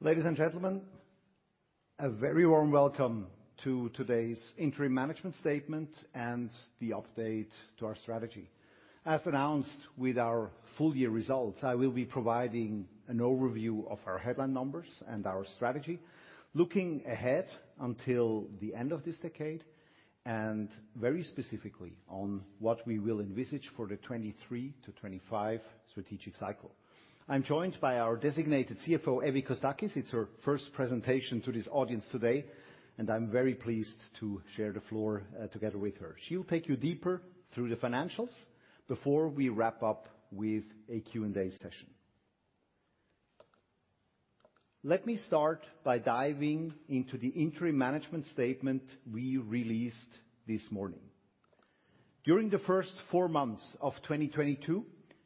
Ladies and gentlemen, a very warm welcome to today's interim management statement and the update to our strategy. As announced with our full year results, I will be providing an overview of our headline numbers and our strategy. Looking ahead until the end of this decade, and very specifically on what we will envisage for the 23-25 strategic cycle. I'm joined by our designated CFO, Evie Kostakis. It's her first presentation to this audience today, and I'm very pleased to share the floor together with her. She'll take you deeper through the financials before we wrap up with a Q&A session. Let me start by diving into the interim management statement we released this morning. During the first four months of 2022,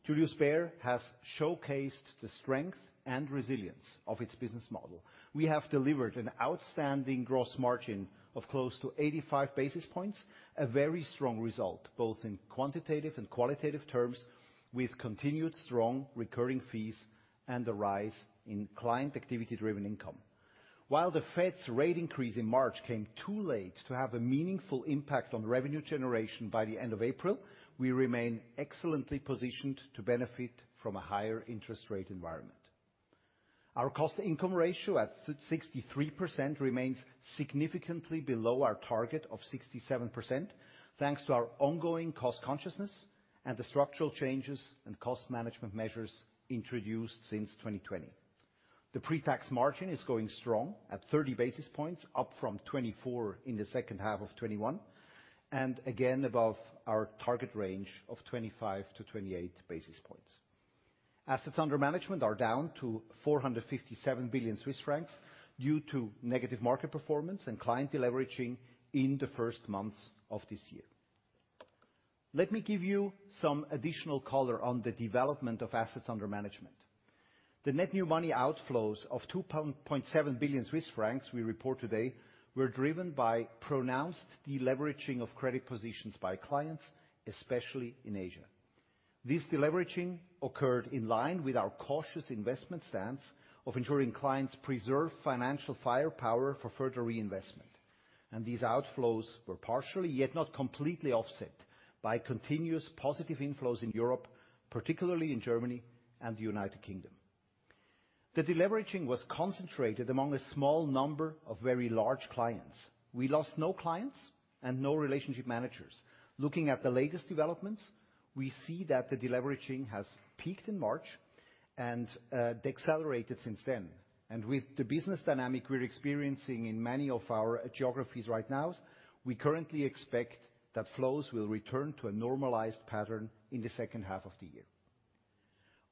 Julius Bär has showcased the strength and resilience of its business model. We have delivered an outstanding gross margin of close to 85 basis points, a very strong result, both in quantitative and qualitative terms, with continued strong recurring fees and the rise in client activity-driven income. While the Fed's rate increase in March came too late to have a meaningful impact on revenue generation by the end of April, we remain excellently positioned to benefit from a higher interest rate environment. Our cost-income ratio at 63% remains significantly below our target of 67%, thanks to our ongoing cost consciousness and the structural changes and cost management measures introduced since 2020. The pre-tax margin is going strong at 30 basis points, up from 24 in the second half of 2021, and again above our target range of 25-28 basis points. Assets under management are down to 457 billion Swiss francs due to negative market performance and client deleveraging in the first months of this year. Let me give you some additional color on the development of assets under management. The net new money outflows of 2.7 billion Swiss francs we report today were driven by pronounced deleveraging of credit positions by clients, especially in Asia. This deleveraging occurred in line with our cautious investment stance of ensuring clients preserve financial firepower for further reinvestment. These outflows were partially yet not completely offset by continuous positive inflows in Europe, particularly in Germany and the United Kingdom. The deleveraging was concentrated among a small number of very large clients. We lost no clients and no relationship managers. Looking at the latest developments, we see that the deleveraging has peaked in March and decelerated since then. With the business dynamic we're experiencing in many of our geographies right now, we currently expect that flows will return to a normalized pattern in the second half of the year.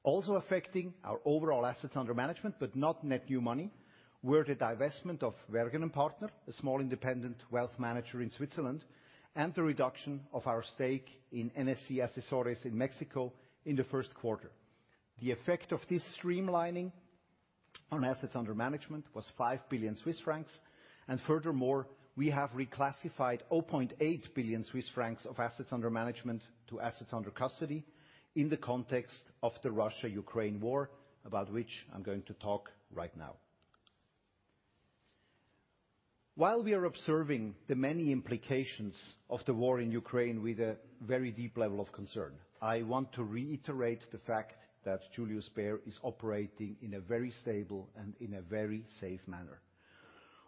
Also affecting our overall assets under management, but not net new money, were the divestment of Wergen & Partner, a small independent wealth manager in Switzerland, and the reduction of our stake in NSC Asesores in Mexico in the first quarter. The effect of this streamlining on assets under management was 5 billion Swiss francs, and furthermore, we have reclassified 0.8 billion Swiss francs of assets under management to assets under custody in the context of the Russia-Ukraine war, about which I'm going to talk right now. While we are observing the many implications of the war in Ukraine with a very deep level of concern, I want to reiterate the fact that Julius Bär is operating in a very stable and in a very safe manner.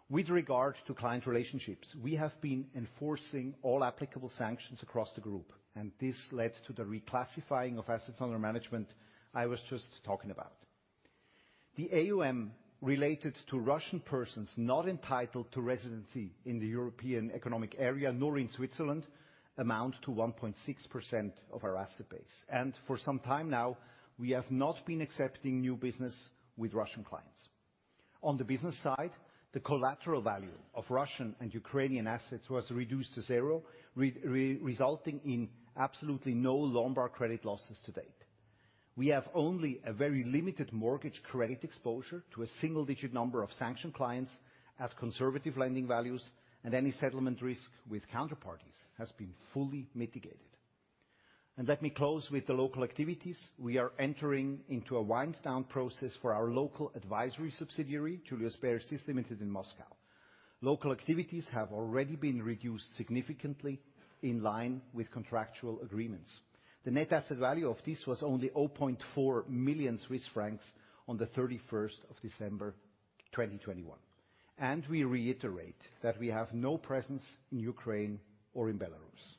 With regard to client relationships, we have been enforcing all applicable sanctions across the group, and this led to the reclassifying of assets under management I was just talking about. The AUM related to Russian persons not entitled to residency in the European Economic Area, nor in Switzerland, amount to 1.6% of our asset base. For some time now, we have not been accepting new business with Russian clients. On the business side, the collateral value of Russian and Ukrainian assets was reduced to zero, resulting in absolutely no Lombard credit losses to date. We have only a very limited mortgage credit exposure to a single-digit number of sanctioned clients as conservative lending values and any settlement risk with counterparties has been fully mitigated. Let me close with the local activities. We are entering into a wind down process for our local advisory subsidiary, Julius Baer CIS Ltd. in Moscow. Local activities have already been reduced significantly in line with contractual agreements. The net asset value of this was only 0.4 million Swiss francs on the 31st of December, 2021. We reiterate that we have no presence in Ukraine or in Belarus.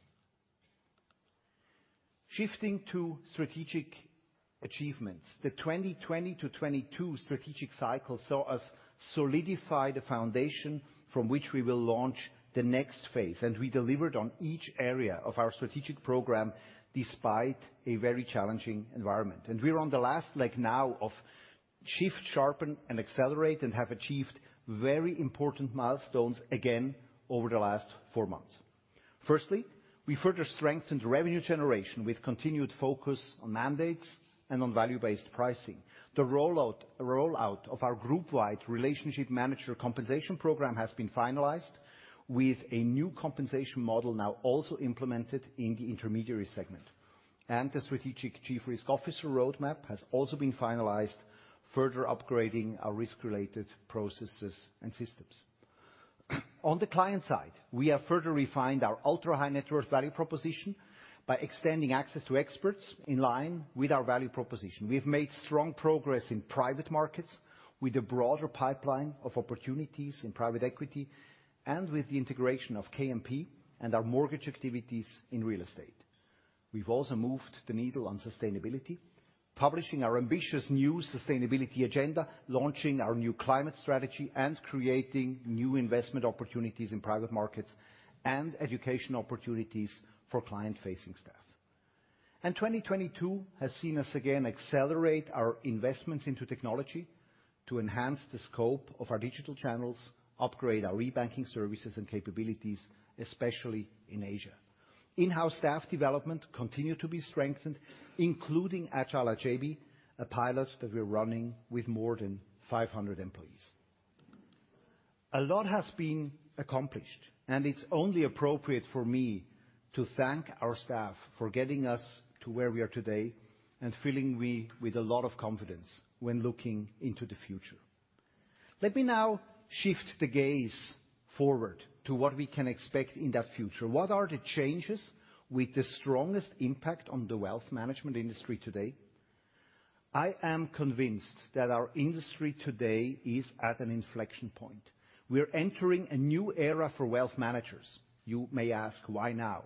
Shifting to strategic achievements, the 2020-2022 strategic cycle saw us solidify the foundation from which we will launch the next phase, and we delivered on each area of our strategic program despite a very challenging environment. We're on the last leg now of Shift, Sharpen, and Accelerate and have achieved very important milestones again over the last four months. Firstly, we further strengthened revenue generation with continued focus on mandates and on value-based pricing. The rollout of our group-wide relationship manager compensation program has been finalized with a new compensation model now also implemented in the intermediary segment. The strategic Chief Risk Officer roadmap has also been finalized, further upgrading our risk-related processes and systems. On the client side, we have further refined our ultra-high net worth value proposition by extending access to experts in line with our value proposition. We have made strong progress in private markets with a broader pipeline of opportunities in private equity and with the integration of KMP and our mortgage activities in real estate. We've also moved the needle on sustainability, publishing our ambitious new sustainability agenda, launching our new climate strategy, and creating new investment opportunities in private markets and education opportunities for client-facing staff. 2022 has seen us again accelerate our investments into technology to enhance the scope of our digital channels, upgrade our e-banking services and capabilities, especially in Asia. In-house staff development continued to be strengthened, including Agile at JB, a pilot that we're running with more than 500 employees. A lot has been accomplished, and it's only appropriate for me to thank our staff for getting us to where we are today and filling us with a lot of confidence when looking into the future. Let me now shift the gaze forward to what we can expect in that future. What are the changes with the strongest impact on the wealth management industry today? I am convinced that our industry today is at an inflection point. We're entering a new era for wealth managers. You may ask, why now?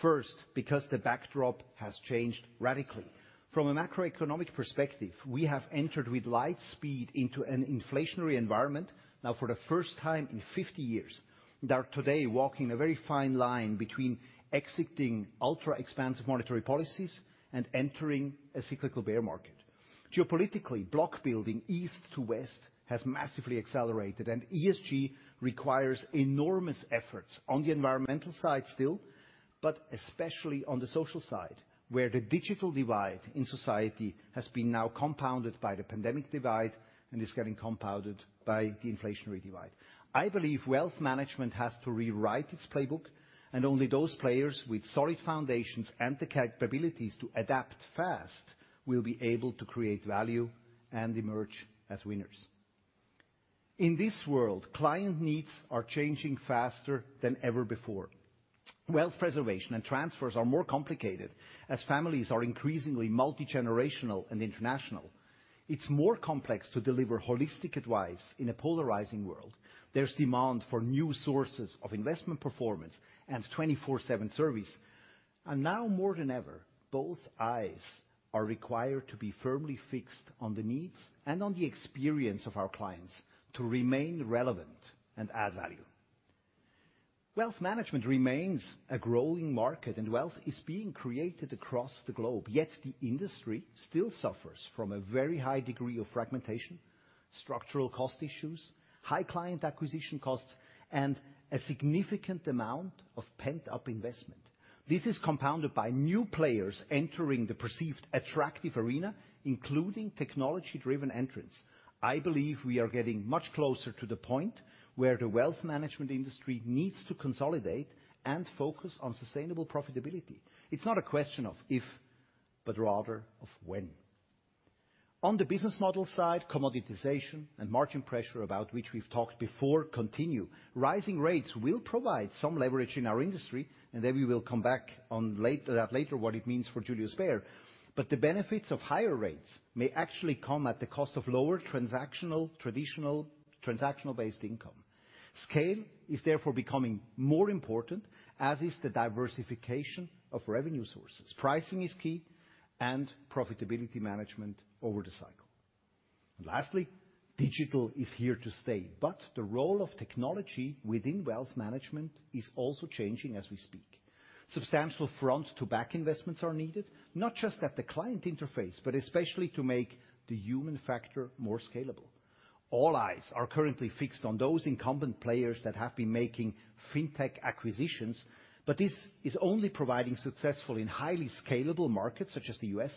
First, because the backdrop has changed radically. From a macroeconomic perspective, we have entered at light speed into an inflationary environment now for the first time in 50 years, and are today walking a very fine line between exiting ultra-expansive monetary policies and entering a cyclical bear market. Geopolitically, bloc building east to west has massively accelerated, and ESG requires enormous efforts on the environmental side still, but especially on the social side, where the digital divide in society has been now compounded by the pandemic divide and is getting compounded by the inflationary divide. I believe wealth management has to rewrite its playbook, and only those players with solid foundations and the capabilities to adapt fast will be able to create value and emerge as winners. In this world, client needs are changing faster than ever before. Wealth preservation and transfers are more complicated, as families are increasingly multigenerational and international. It's more complex to deliver holistic advice in a polarizing world. There's demand for new sources of investment performance and 24/7 service. Now more than ever, both eyes are required to be firmly fixed on the needs and on the experience of our clients to remain relevant and add value. Wealth management remains a growing market, and wealth is being created across the globe. Yet the industry still suffers from a very high degree of fragmentation, structural cost issues, high client acquisition costs, and a significant amount of pent-up investment. This is compounded by new players entering the perceived attractive arena, including technology-driven entrants. I believe we are getting much closer to the point where the wealth management industry needs to consolidate and focus on sustainable profitability. It's not a question of if, but rather of when. On the business model side, commoditization and margin pressure, about which we've talked before, continue. Rising rates will provide some leverage in our industry, and then we will come back to that later, what it means for Julius Bär. The benefits of higher rates may actually come at the cost of lower traditional transactional-based income. Scale is therefore becoming more important, as is the diversification of revenue sources. Pricing is key and profitability management over the cycle. Lastly, digital is here to stay, but the role of technology within wealth management is also changing as we speak. Substantial front-to-back investments are needed, not just at the client interface, but especially to make the human factor more scalable. All eyes are currently fixed on those incumbent players that have been making fintech acquisitions, but this is only proving successful in highly scalable markets such as the U.S.,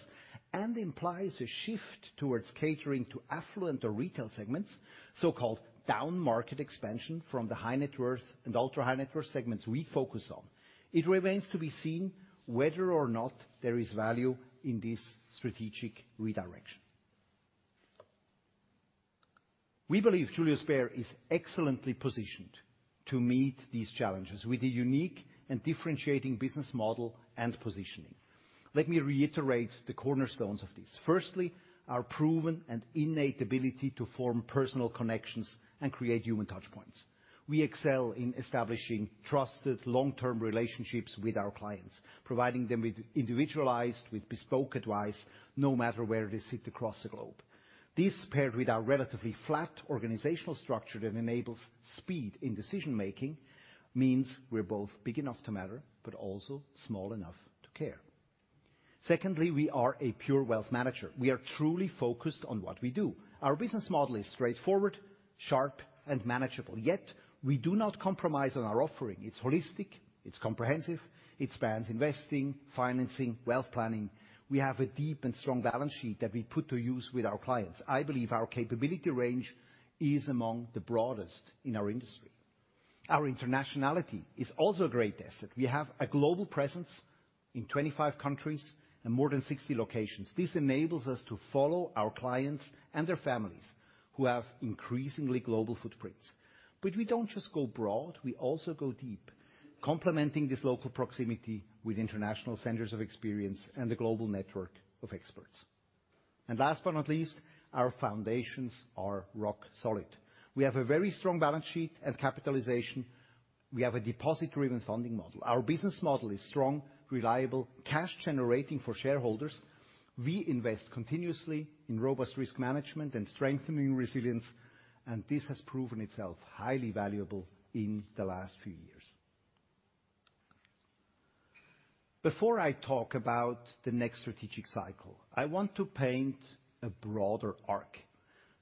and implies a shift towards catering to affluent or retail segments, so-called down-market expansion from the high-net-worth and ultra-high-net-worth segments we focus on. It remains to be seen whether or not there is value in this strategic redirection. We believe Julius Bär is excellently positioned to meet these challenges with a unique and differentiating business model and positioning. Let me reiterate the cornerstones of this. Firstly, our proven and innate ability to form personal connections and create human touchpoints. We excel in establishing trusted long-term relationships with our clients, providing them with individualized, with bespoke advice, no matter where they sit across the globe. This, paired with our relatively flat organizational structure that enables speed in decision-making, means we're both big enough to matter, but also small enough to care. Secondly, we are a pure wealth manager. We are truly focused on what we do. Our business model is straightforward, sharp, and manageable. Yet we do not compromise on our offering. It's holistic, it's comprehensive, it spans investing, financing, wealth planning. We have a deep and strong balance sheet that we put to use with our clients. I believe our capability range is among the broadest in our industry. Our internationality is also a great asset. We have a global presence in 25 countries and more than 60 locations. This enables us to follow our clients and their families who have increasingly global footprints. We don't just go broad, we also go deep, complementing this local proximity with international centers of experience and a global network of experts. Last but not least, our foundations are rock solid. We have a very strong balance sheet and capitalization. We have a deposit-driven funding model. Our business model is strong, reliable, cash-generating for shareholders. We invest continuously in robust risk management and strengthening resilience, and this has proven itself highly valuable in the last few years. Before I talk about the next strategic cycle, I want to paint a broader arc,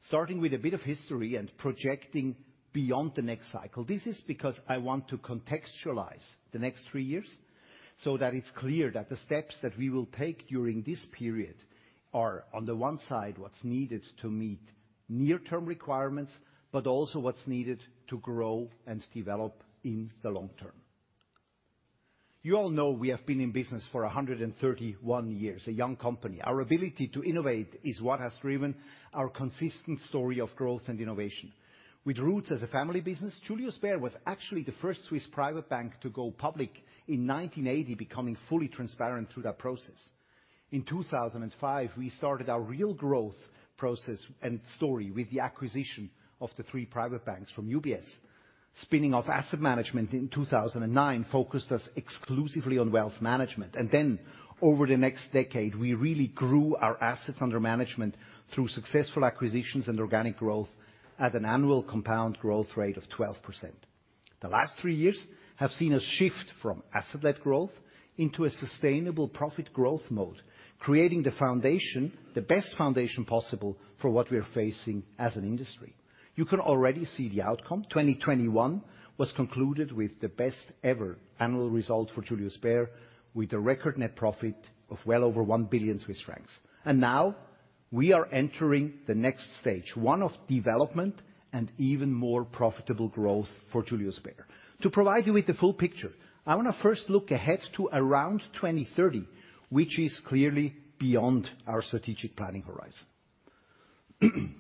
starting with a bit of history and projecting beyond the next cycle. This is because I want to contextualize the next three years, so that it's clear that the steps that we will take during this period are, on the one side, what's needed to meet near-term requirements, but also what's needed to grow and develop in the long term. You all know we have been in business for 131 years, a young company. Our ability to innovate is what has driven our consistent story of growth and innovation. With roots as a family business, Julius Bär was actually the first Swiss private bank to go public in 1980, becoming fully transparent through that process. In 2005, we started our real growth process and story with the acquisition of the three private banks from UBS. Spinning off asset management in 2009 focused us exclusively on wealth management. Over the next decade, we really grew our assets under management through successful acquisitions and organic growth at an annual compound growth rate of 12%. The last three years have seen us shift from asset-led growth into a sustainable profit growth mode, creating the foundation, the best foundation possible for what we're facing as an industry. You can already see the outcome. 2021 was concluded with the best-ever annual result for Julius Bär, with a record net profit of well over 1 billion Swiss francs. Now we are entering the next stage, one of development and even more profitable growth for Julius Bär. To provide you with the full picture, I wanna first look ahead to around 2030, which is clearly beyond our strategic planning horizon.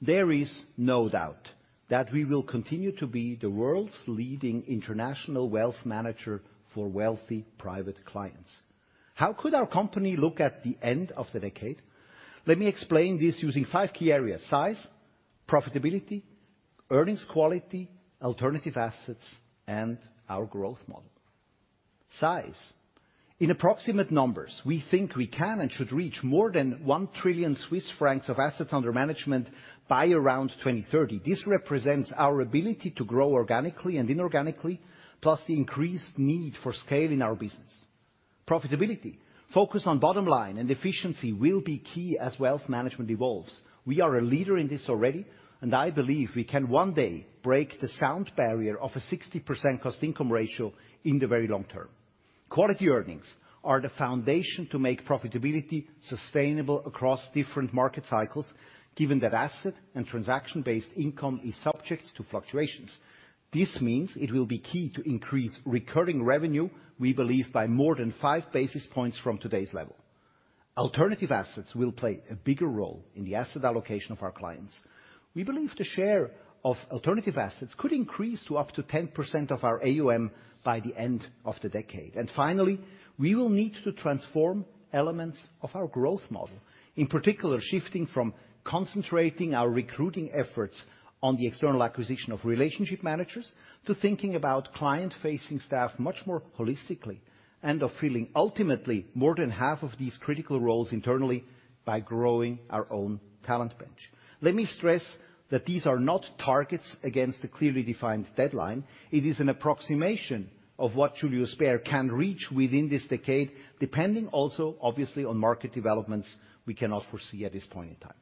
There is no doubt that we will continue to be the world's leading international wealth manager for wealthy private clients. How could our company look at the end of the decade? Let me explain this using five key areas. Size, profitability, earnings quality, alternative assets, and our growth model. Size. In approximate numbers, we think we can and should reach more than 1 trillion Swiss francs of assets under management by around 2030. This represents our ability to grow organically and inorganically, plus the increased need for scale in our business. Profitability. Focus on bottom line and efficiency will be key as wealth management evolves. We are a leader in this already, and I believe we can one day break the sound barrier of a 60% cost-income ratio in the very long term. Quality earnings are the foundation to make profitability sustainable across different market cycles, given that asset and transaction-based income is subject to fluctuations. This means it will be key to increase recurring revenue, we believe by more than five basis points from today's level. Alternative assets will play a bigger role in the asset allocation of our clients. We believe the share of alternative assets could increase to up to 10% of our AUM by the end of the decade. Finally, we will need to transform elements of our growth model, in particular, shifting from concentrating our recruiting efforts on the external acquisition of relationship managers to thinking about client-facing staff much more holistically and of filling ultimately more than half of these critical roles internally by growing our own talent bench. Let me stress that these are not targets against a clearly defined deadline. It is an approximation of what Julius Bär can reach within this decade, depending also, obviously, on market developments we cannot foresee at this point in time.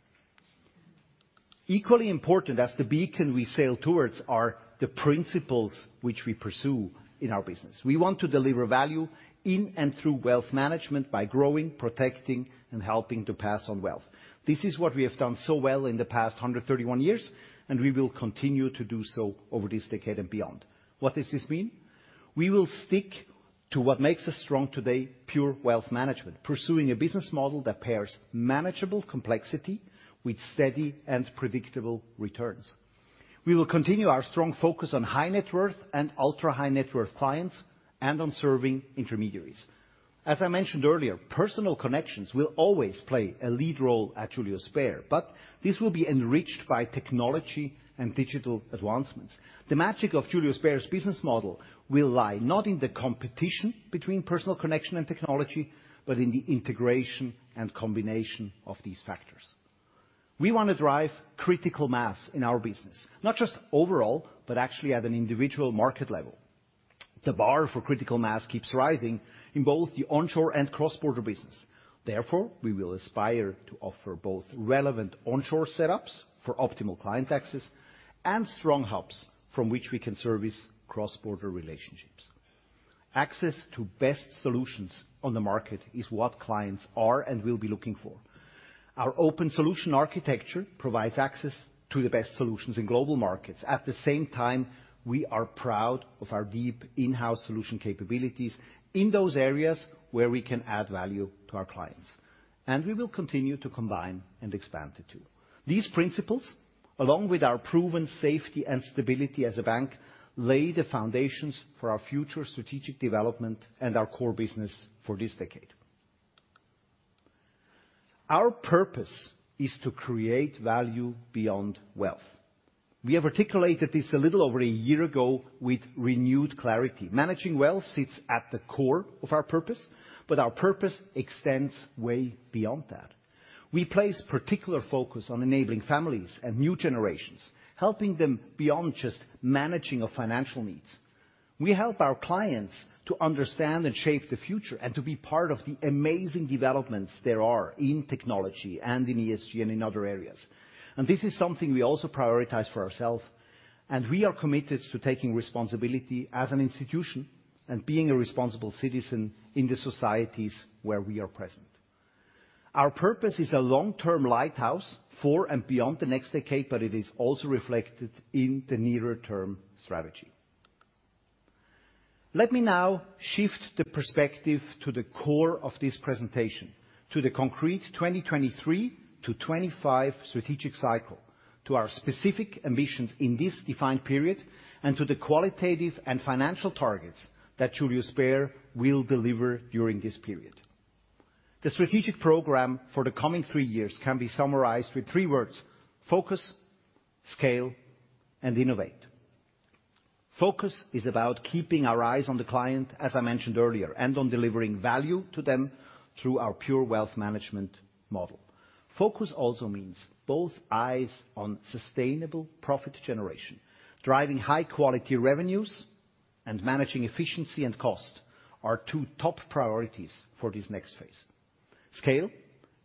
Equally important as the beacon we sail towards are the principles which we pursue in our business. We want to deliver value in and through wealth management by growing, protecting, and helping to pass on wealth. This is what we have done so well in the past 131 years, and we will continue to do so over this decade and beyond. What does this mean? We will stick to what makes us strong today, pure wealth management, pursuing a business model that pairs manageable complexity with steady and predictable returns. We will continue our strong focus on high-net worth and ultra-high-net worth clients and on serving intermediaries. As I mentioned earlier, personal connections will always play a lead role at Julius Bär, but this will be enriched by technology and digital advancements. The magic of Julius Bär's business model will lie not in the competition between personal connection and technology, but in the integration and combination of these factors. We wanna drive critical mass in our business, not just overall, but actually at an individual market level. The bar for critical mass keeps rising in both the onshore and cross-border business. Therefore, we will aspire to offer both relevant onshore setups for optimal client access and strong hubs from which we can service cross-border relationships. Access to best solutions on the market is what clients are and will be looking for. Our open solution architecture provides access to the best solutions in global markets. At the same time, we are proud of our deep in-house solution capabilities in those areas where we can add value to our clients, and we will continue to combine and expand the two. These principles, along with our proven safety and stability as a bank, lay the foundations for our future strategic development and our core business for this decade. Our purpose is to create value beyond wealth. We articulated this a little over a year ago with renewed clarity. Managing wealth sits at the core of our purpose, but our purpose extends way beyond that. We place particular focus on enabling families and new generations, helping them beyond just managing of financial needs. We help our clients to understand and shape the future and to be part of the amazing developments there are in technology and in ESG and in other areas. This is something we also prioritize for ourselves, and we are committed to taking responsibility as an institution and being a responsible citizen in the societies where we are present. Our purpose is a long-term lighthouse for and beyond the next decade, but it is also reflected in the nearer term strategy. Let me now shift the perspective to the core of this presentation, to the concrete 2023-2025 strategic cycle, to our specific ambitions in this defined period, and to the qualitative and financial targets that Julius Baer will deliver during this period. The strategic program for the coming three years can be summarized with three words, focus, scale, and innovate. Focus is about keeping our eyes on the client, as I mentioned earlier, and on delivering value to them through our pure wealth management model. Focus also means both eyes on sustainable profit generation, driving high-quality revenues, and managing efficiency and cost are two top priorities for this next phase. Scale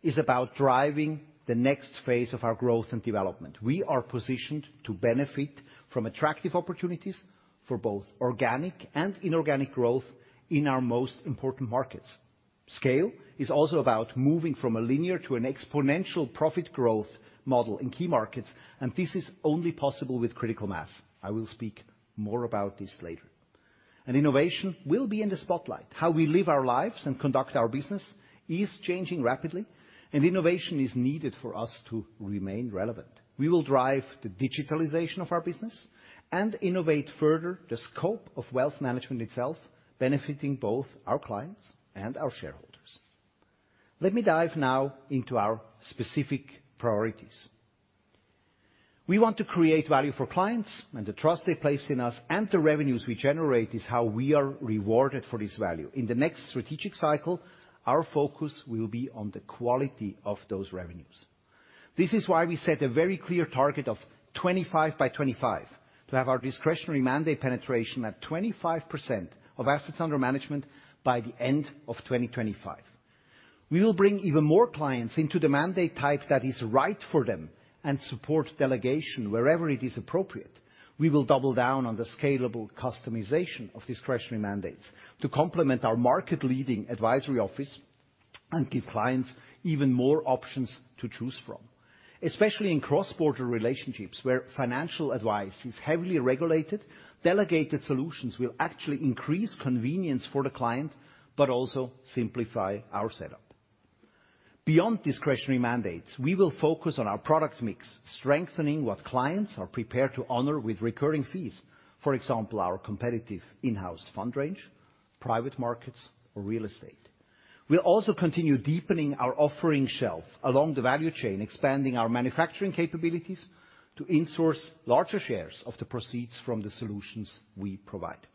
is about driving the next phase of our growth and development. We are positioned to benefit from attractive opportunities for both organic and inorganic growth in our most important markets. Scale is also about moving from a linear to an exponential profit growth model in key markets, and this is only possible with critical mass. I will speak more about this later. Innovation will be in the spotlight. How we live our lives and conduct our business is changing rapidly, and innovation is needed for us to remain relevant. We will drive the digitalization of our business and innovate further the scope of wealth management itself, benefiting both our clients and our shareholders. Let me dive now into our specific priorities. We want to create value for clients, and the trust they place in us and the revenues we generate is how we are rewarded for this value. In the next strategic cycle, our focus will be on the quality of those revenues. This is why we set a very clear target of 25 by 25 to have our discretionary mandate penetration at 25% of assets under management by the end of 2025. We will bring even more clients into the mandate type that is right for them and support delegation wherever it is appropriate. We will double down on the scalable customization of discretionary mandates to complement our market-leading advisory office and give clients even more options to choose from. Especially in cross-border relationships, where financial advice is heavily regulated, delegated solutions will actually increase convenience for the client, but also simplify our setup. Beyond discretionary mandates, we will focus on our product mix, strengthening what clients are prepared to honor with recurring fees. For example, our competitive in-house fund range, private markets or real estate. We'll also continue deepening our offering shelf along the value chain, expanding our manufacturing capabilities to in-source larger shares of the proceeds from the solutions we provide.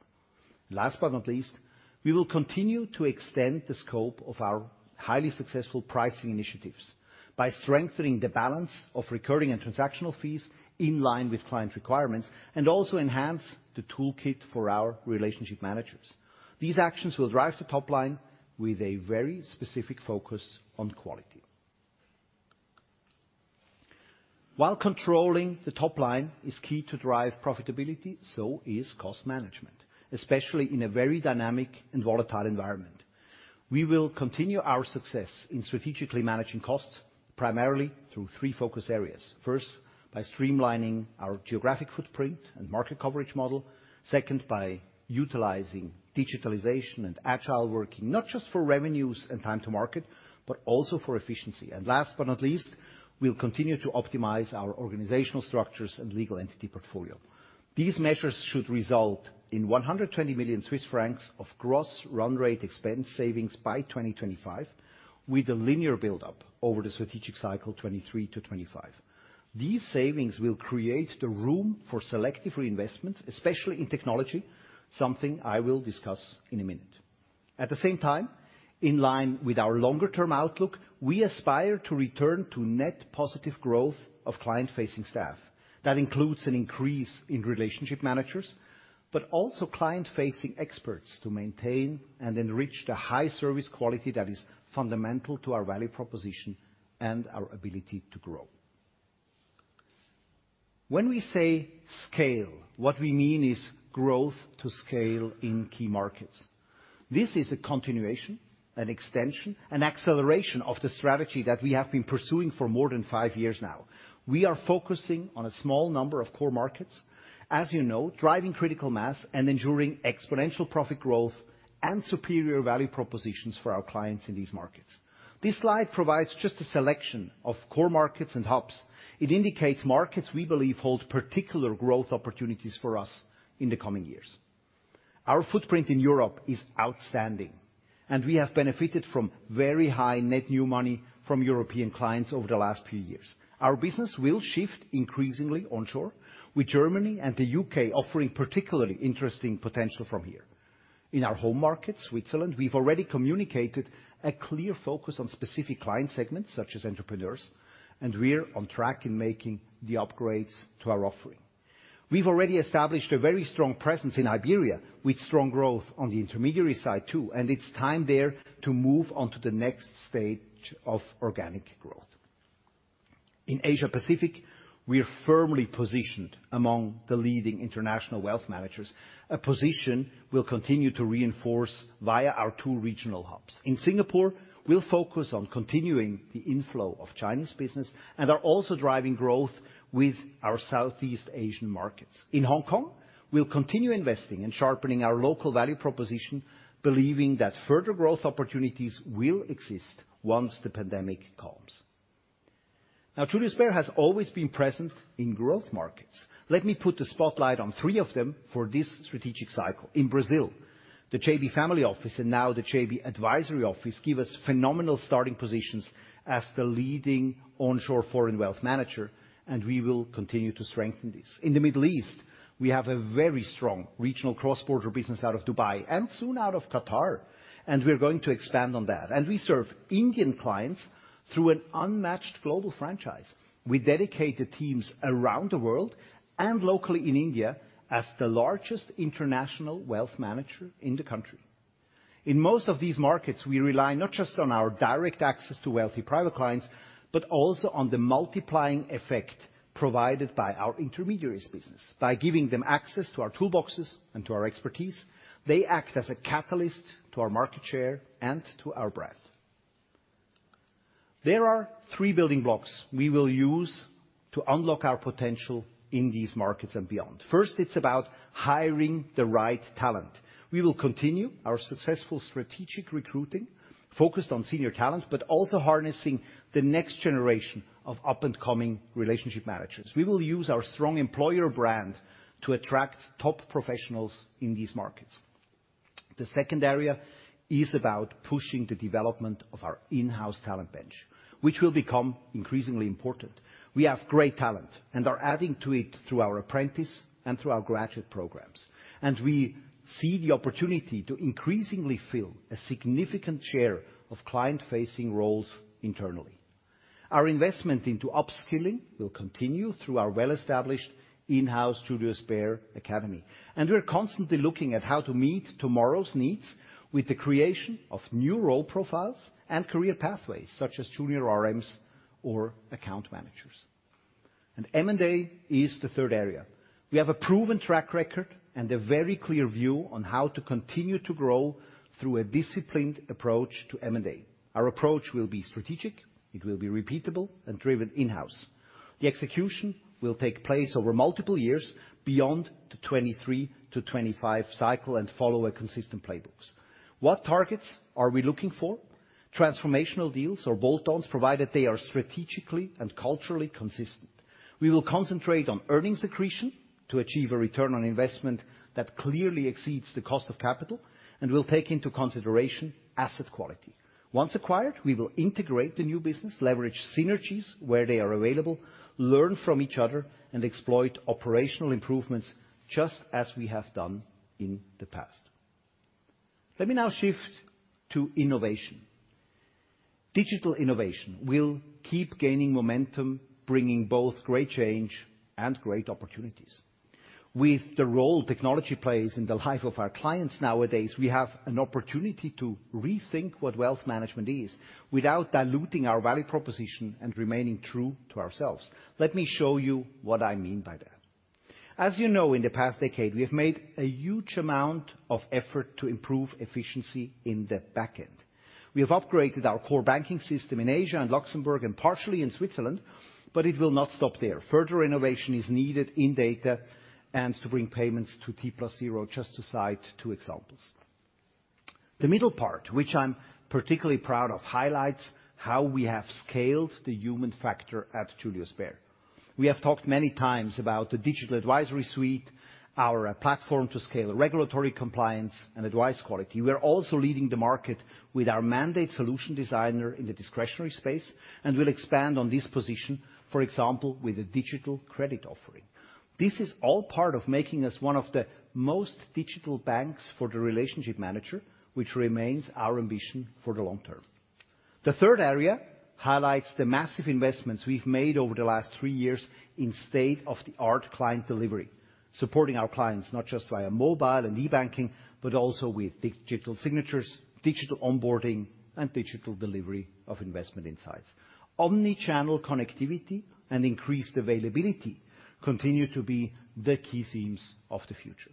Last but not least, we will continue to extend the scope of our highly successful pricing initiatives by strengthening the balance of recurring and transactional fees in line with client requirements, and also enhance the toolkit for our relationship managers. These actions will drive the top line with a very specific focus on quality. While controlling the top line is key to drive profitability, so is cost management, especially in a very dynamic and volatile environment. We will continue our success in strategically managing costs, primarily through three focus areas. First, by streamlining our geographic footprint and market coverage model. Second, by utilizing digitalization and agile working, not just for revenues and time to market, but also for efficiency. Last but not least, we'll continue to optimize our organizational structures and legal entity portfolio. These measures should result in 120 million Swiss francs of gross run rate expense savings by 2025, with a linear buildup over the strategic cycle 2023-2025. These savings will create the room for selective reinvestments, especially in technology, something I will discuss in a minute. At the same time, in line with our longer-term outlook, we aspire to return to net positive growth of client-facing staff. That includes an increase in relationship managers, but also client-facing experts to maintain and enrich the high service quality that is fundamental to our value proposition and our ability to grow. When we say scale, what we mean is growth to scale in key markets. This is a continuation, an extension, an acceleration of the strategy that we have been pursuing for more than five years now. We are focusing on a small number of core markets, as you know, driving critical mass and ensuring exponential profit growth and superior value propositions for our clients in these markets. This slide provides just a selection of core markets and hubs. It indicates markets we believe hold particular growth opportunities for us in the coming years. Our footprint in Europe is outstanding, and we have benefited from very high net new money from European clients over the last few years. Our business will shift increasingly onshore with Germany and the U.K. offering particularly interesting potential from here. In our home market, Switzerland, we've already communicated a clear focus on specific client segments, such as entrepreneurs, and we're on track in making the upgrades to our offering. We've already established a very strong presence in Iberia, with strong growth on the intermediary side too, and it's time there to move on to the next stage of organic growth. In Asia-Pacific, we're firmly positioned among the leading international wealth managers, a position we'll continue to reinforce via our two regional hubs. In Singapore, we'll focus on continuing the inflow of Chinese business and are also driving growth with our Southeast Asian markets. In Hong Kong, we'll continue investing and sharpening our local value proposition, believing that further growth opportunities will exist once the pandemic calms. Now Julius Baer has always been present in growth markets. Let me put the spotlight on three of them for this strategic cycle. In Brazil, the JB Family Office and now the JB Advisory Office give us phenomenal starting positions as the leading onshore foreign wealth manager, and we will continue to strengthen this. In the Middle East, we have a very strong regional cross-border business out of Dubai, and soon out of Qatar, and we're going to expand on that. We serve Indian clients through an unmatched global franchise. We dedicate the teams around the world and locally in India as the largest international wealth manager in the country. In most of these markets, we rely not just on our direct access to wealthy private clients, but also on the multiplying effect provided by our intermediaries business. By giving them access to our toolboxes and to our expertise, they act as a catalyst to our market share and to our brand. There are three building blocks we will use to unlock our potential in these markets and beyond. First, it's about hiring the right talent. We will continue our successful strategic recruiting focused on senior talent, but also harnessing the next generation of up-and-coming relationship managers. We will use our strong employer brand to attract top professionals in these markets. The second area is about pushing the development of our in-house talent bench, which will become increasingly important. We have great talent and are adding to it through our apprenticeship and through our graduate programs, and we see the opportunity to increasingly fill a significant share of client-facing roles internally. Our investment into upskilling will continue through our well-established in-house Julius Baer Academy. We're constantly looking at how to meet tomorrow's needs with the creation of new role profiles and career pathways, such as junior RMs or account managers. M&A is the third area. We have a proven track record and a very clear view on how to continue to grow through a disciplined approach to M&A. Our approach will be strategic, it will be repeatable and driven in-house. The execution will take place over multiple years beyond the 2023-2025 cycle and follow a consistent playbook. What targets are we looking for? Transformational deals or bolt-ons, provided they are strategically and culturally consistent. We will concentrate on earnings accretion to achieve a return on investment that clearly exceeds the cost of capital, and we'll take into consideration asset quality. Once acquired, we will integrate the new business, leverage synergies where they are available, learn from each other, and exploit operational improvements just as we have done in the past. Let me now shift to innovation. Digital innovation will keep gaining momentum, bringing both great change and great opportunities. With the role technology plays in the life of our clients nowadays, we have an opportunity to rethink what wealth management is without diluting our value proposition and remaining true to ourselves. Let me show you what I mean by that. As you know, in the past decade, we have made a huge amount of effort to improve efficiency in the back end. We have upgraded our core banking system in Asia and Luxembourg and partially in Switzerland, but it will not stop there. Further innovation is needed in data and to bring payments to T+0, just to cite two examples. The middle part, which I'm particularly proud of, highlights how we have scaled the human factor at Julius Bär. We have talked many times about the Digital Advisory Suite, our platform to scale regulatory compliance and advice quality. We are also leading the market with our Mandate Solution Designer in the discretionary space, and we'll expand on this position, for example, with a digital credit offering. This is all part of making us one of the most digital banks for the relationship manager, which remains our ambition for the long term. The third area highlights the massive investments we've made over the last three years in state-of-the-art client delivery. Supporting our clients, not just via mobile and e-banking, but also with digital signatures, digital onboarding, and digital delivery of investment insights. Omnichannel connectivity and increased availability continue to be the key themes of the future.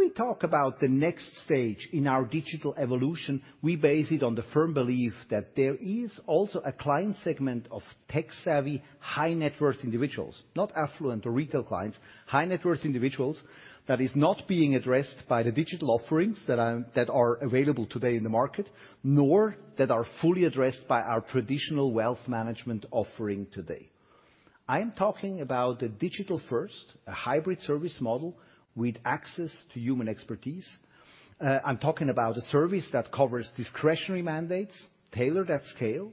When we talk about the next stage in our digital evolution, we base it on the firm belief that there is also a client segment of tech-savvy, high-net-worth individuals. Not affluent or retail clients, high-net-worth individuals that is not being addressed by the digital offerings that are available today in the market, nor that are fully addressed by our traditional wealth management offering today. I am talking about the digital first, a hybrid service model with access to human expertise. I'm talking about a service that covers discretionary mandates, tailored at scale,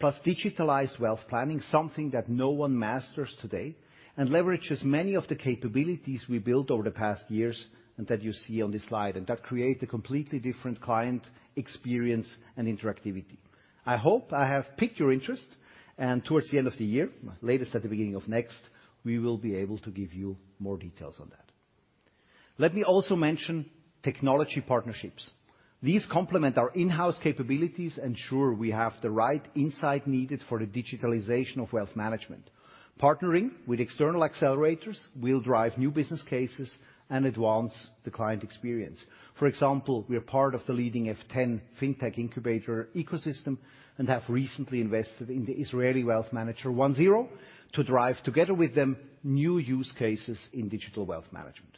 plus digitalized wealth planning, something that no one masters today, and leverages many of the capabilities we built over the past years and that you see on this slide, and that create a completely different client experience and interactivity. I hope I have piqued your interest, and towards the end of the year, latest at the beginning of next, we will be able to give you more details on that. Let me also mention technology partnerships. These complement our in-house capabilities, ensure we have the right insight needed for the digitalization of wealth management. Partnering with external accelerators will drive new business cases and advance the client experience. For example, we are part of the leading F10 fintech incubator ecosystem and have recently invested in the Israeli wealth manager ONE ZERO to drive, together with them, new use cases in digital wealth management.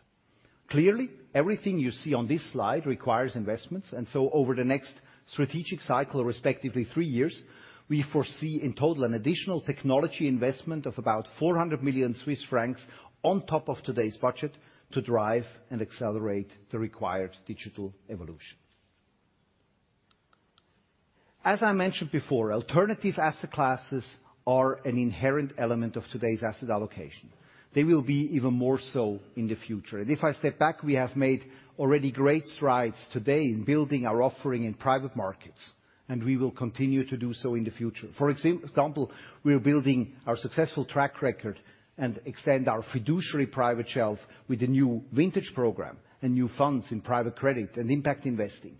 Clearly, everything you see on this slide requires investments, and so over the next strategic cycle, respectively three years, we foresee in total an additional technology investment of about 400 million Swiss francs on top of today's budget to drive and accelerate the required digital evolution. As I mentioned before, alternative asset classes are an inherent element of today's asset allocation. They will be even more so in the future. If I step back, we have made already great strides today in building our offering in private markets, and we will continue to do so in the future. For example, we are building our successful track record and extend our fiduciary private shelf with a new vintage program and new funds in private credit and impact investing.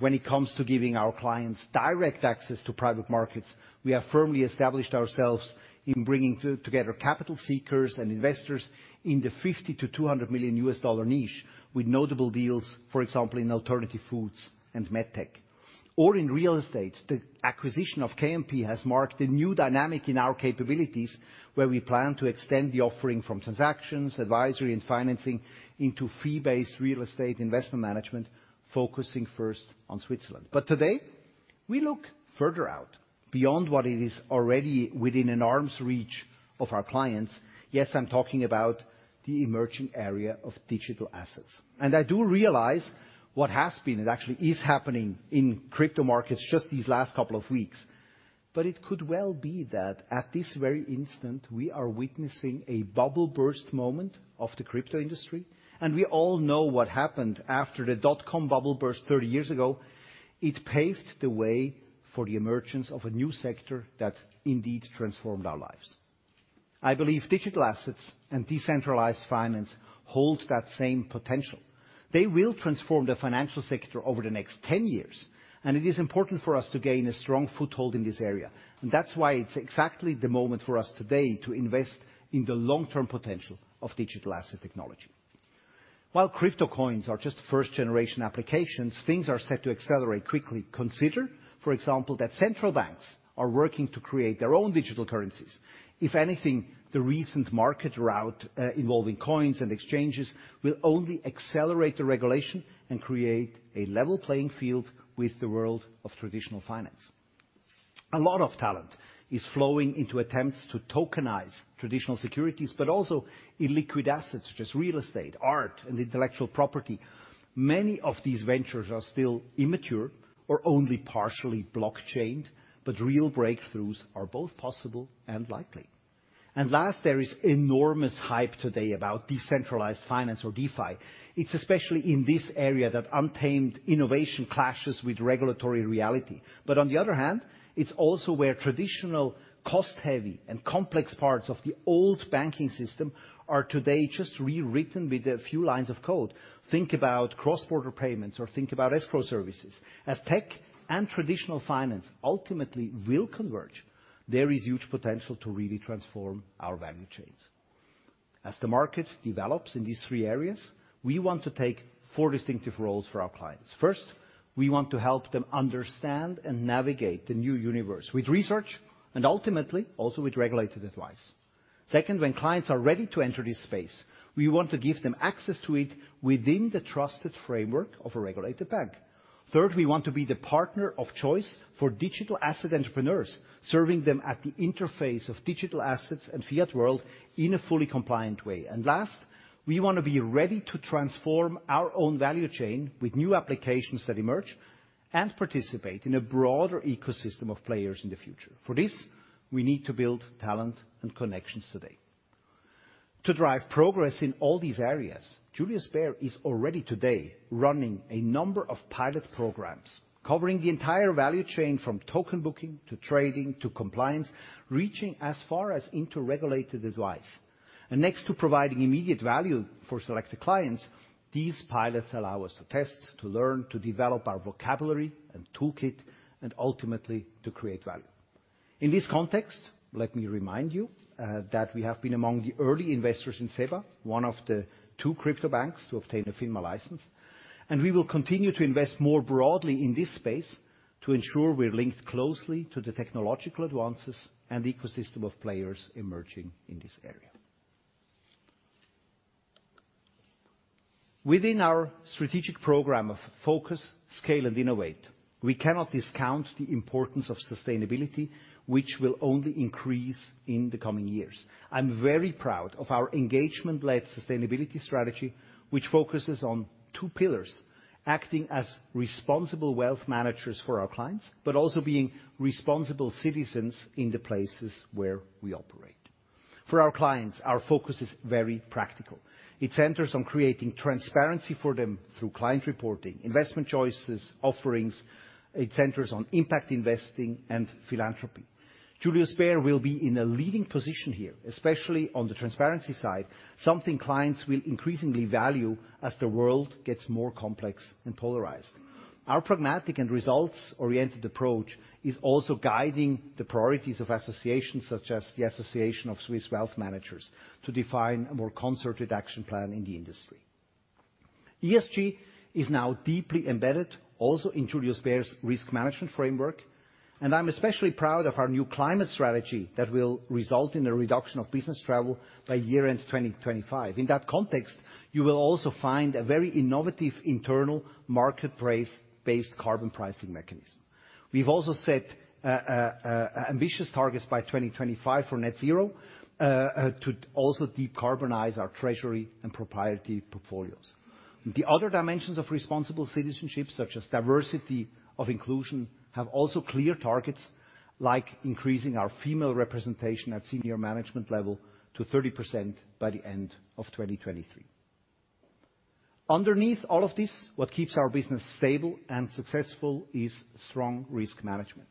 When it comes to giving our clients direct access to private markets, we have firmly established ourselves in bringing together capital seekers and investors in the $50 million-$200 million niche with notable deals, for example, in alternative foods and med tech. In real estate, the acquisition of Kuoni Mueller & Partner has marked a new dynamic in our capabilities, where we plan to extend the offering from transactions, advisory, and financing into fee-based real estate investment management, focusing first on Switzerland. Today, we look further out, beyond what it is already within an arm's reach of our clients. Yes, I'm talking about the emerging area of digital assets. I do realize what has been and actually is happening in crypto markets just these last couple of weeks. It could well be that at this very instant, we are witnessing a bubble burst moment of the crypto industry, and we all know what happened after the dot com bubble burst 30 years ago. It paved the way for the emergence of a new sector that indeed transformed our lives. I believe digital assets and decentralized finance hold that same potential. They will transform the financial sector over the next 10 years, and it is important for us to gain a strong foothold in this area. That's why it's exactly the moment for us today to invest in the long-term potential of digital asset technology. While crypto coins are just first-generation applications, things are set to accelerate quickly. Consider, for example, that central banks are working to create their own digital currencies. If anything, the recent market rout involving coins and exchanges will only accelerate the regulation and create a level playing field with the world of traditional finance. A lot of talent is flowing into attempts to tokenize traditional securities, but also in liquid assets, such as real estate, art, and intellectual property. Many of these ventures are still immature or only partially blockchained, but real breakthroughs are both possible and likely. Last, there is enormous hype today about decentralized finance or DeFi. It's especially in this area that untamed innovation clashes with regulatory reality. But on the other hand, it's also where traditional cost-heavy and complex parts of the old banking system are today just rewritten with a few lines of code. Think about cross-border payments or think about escrow services. As tech and traditional finance ultimately will converge, there is huge potential to really transform our value chains. As the market develops in these three areas, we want to take four distinctive roles for our clients. First, we want to help them understand and navigate the new universe with research and ultimately, also with regulated advice. Second, when clients are ready to enter this space, we want to give them access to it within the trusted framework of a regulated bank. Third, we want to be the partner of choice for digital asset entrepreneurs, serving them at the interface of digital assets and fiat world in a fully compliant way. And last, we wanna be ready to transform our own value chain with new applications that emerge and participate in a broader ecosystem of players in the future. For this, we need to build talent and connections today. To drive progress in all these areas, Julius Baer is already today running a number of pilot programs, covering the entire value chain from token booking to trading to compliance, reaching as far as into regulated advice. Next to providing immediate value for selected clients, these pilots allow us to test, to learn, to develop our vocabulary and toolkit, and ultimately to create value. In this context, let me remind you, that we have been among the early investors in SEBA, one of the two crypto banks to obtain a FINMA license, and we will continue to invest more broadly in this space to ensure we're linked closely to the technological advances and ecosystem of players emerging in this area. Within our strategic program of focus, scale, and innovate, we cannot discount the importance of sustainability, which will only increase in the coming years. I'm very proud of our engagement-led sustainability strategy, which focuses on two pillars, acting as responsible wealth managers for our clients, but also being responsible citizens in the places where we operate. For our clients, our focus is very practical. It centers on creating transparency for them through client reporting, investment choices, offerings. It centers on impact investing and philanthropy. Julius Bär will be in a leading position here, especially on the transparency side, something clients will increasingly value as the world gets more complex and polarized. Our pragmatic and results-oriented approach is also guiding the priorities of associations such as the Alliance of Swiss Wealth Managers to define a more concerted action plan in the industry. ESG is now deeply embedded also in Julius Bär's risk management framework, and I'm especially proud of our new climate strategy that will result in a reduction of business travel by year-end 2025. In that context, you will also find a very innovative internal market price-based carbon pricing mechanism. We've also set ambitious targets by 2025 for net zero to also decarbonize our treasury and proprietary portfolios. The other dimensions of responsible citizenship, such as diversity and inclusion, have also clear targets, like increasing our female representation at senior management level to 30% by the end of 2023. Underneath all of this, what keeps our business stable and successful is strong risk management.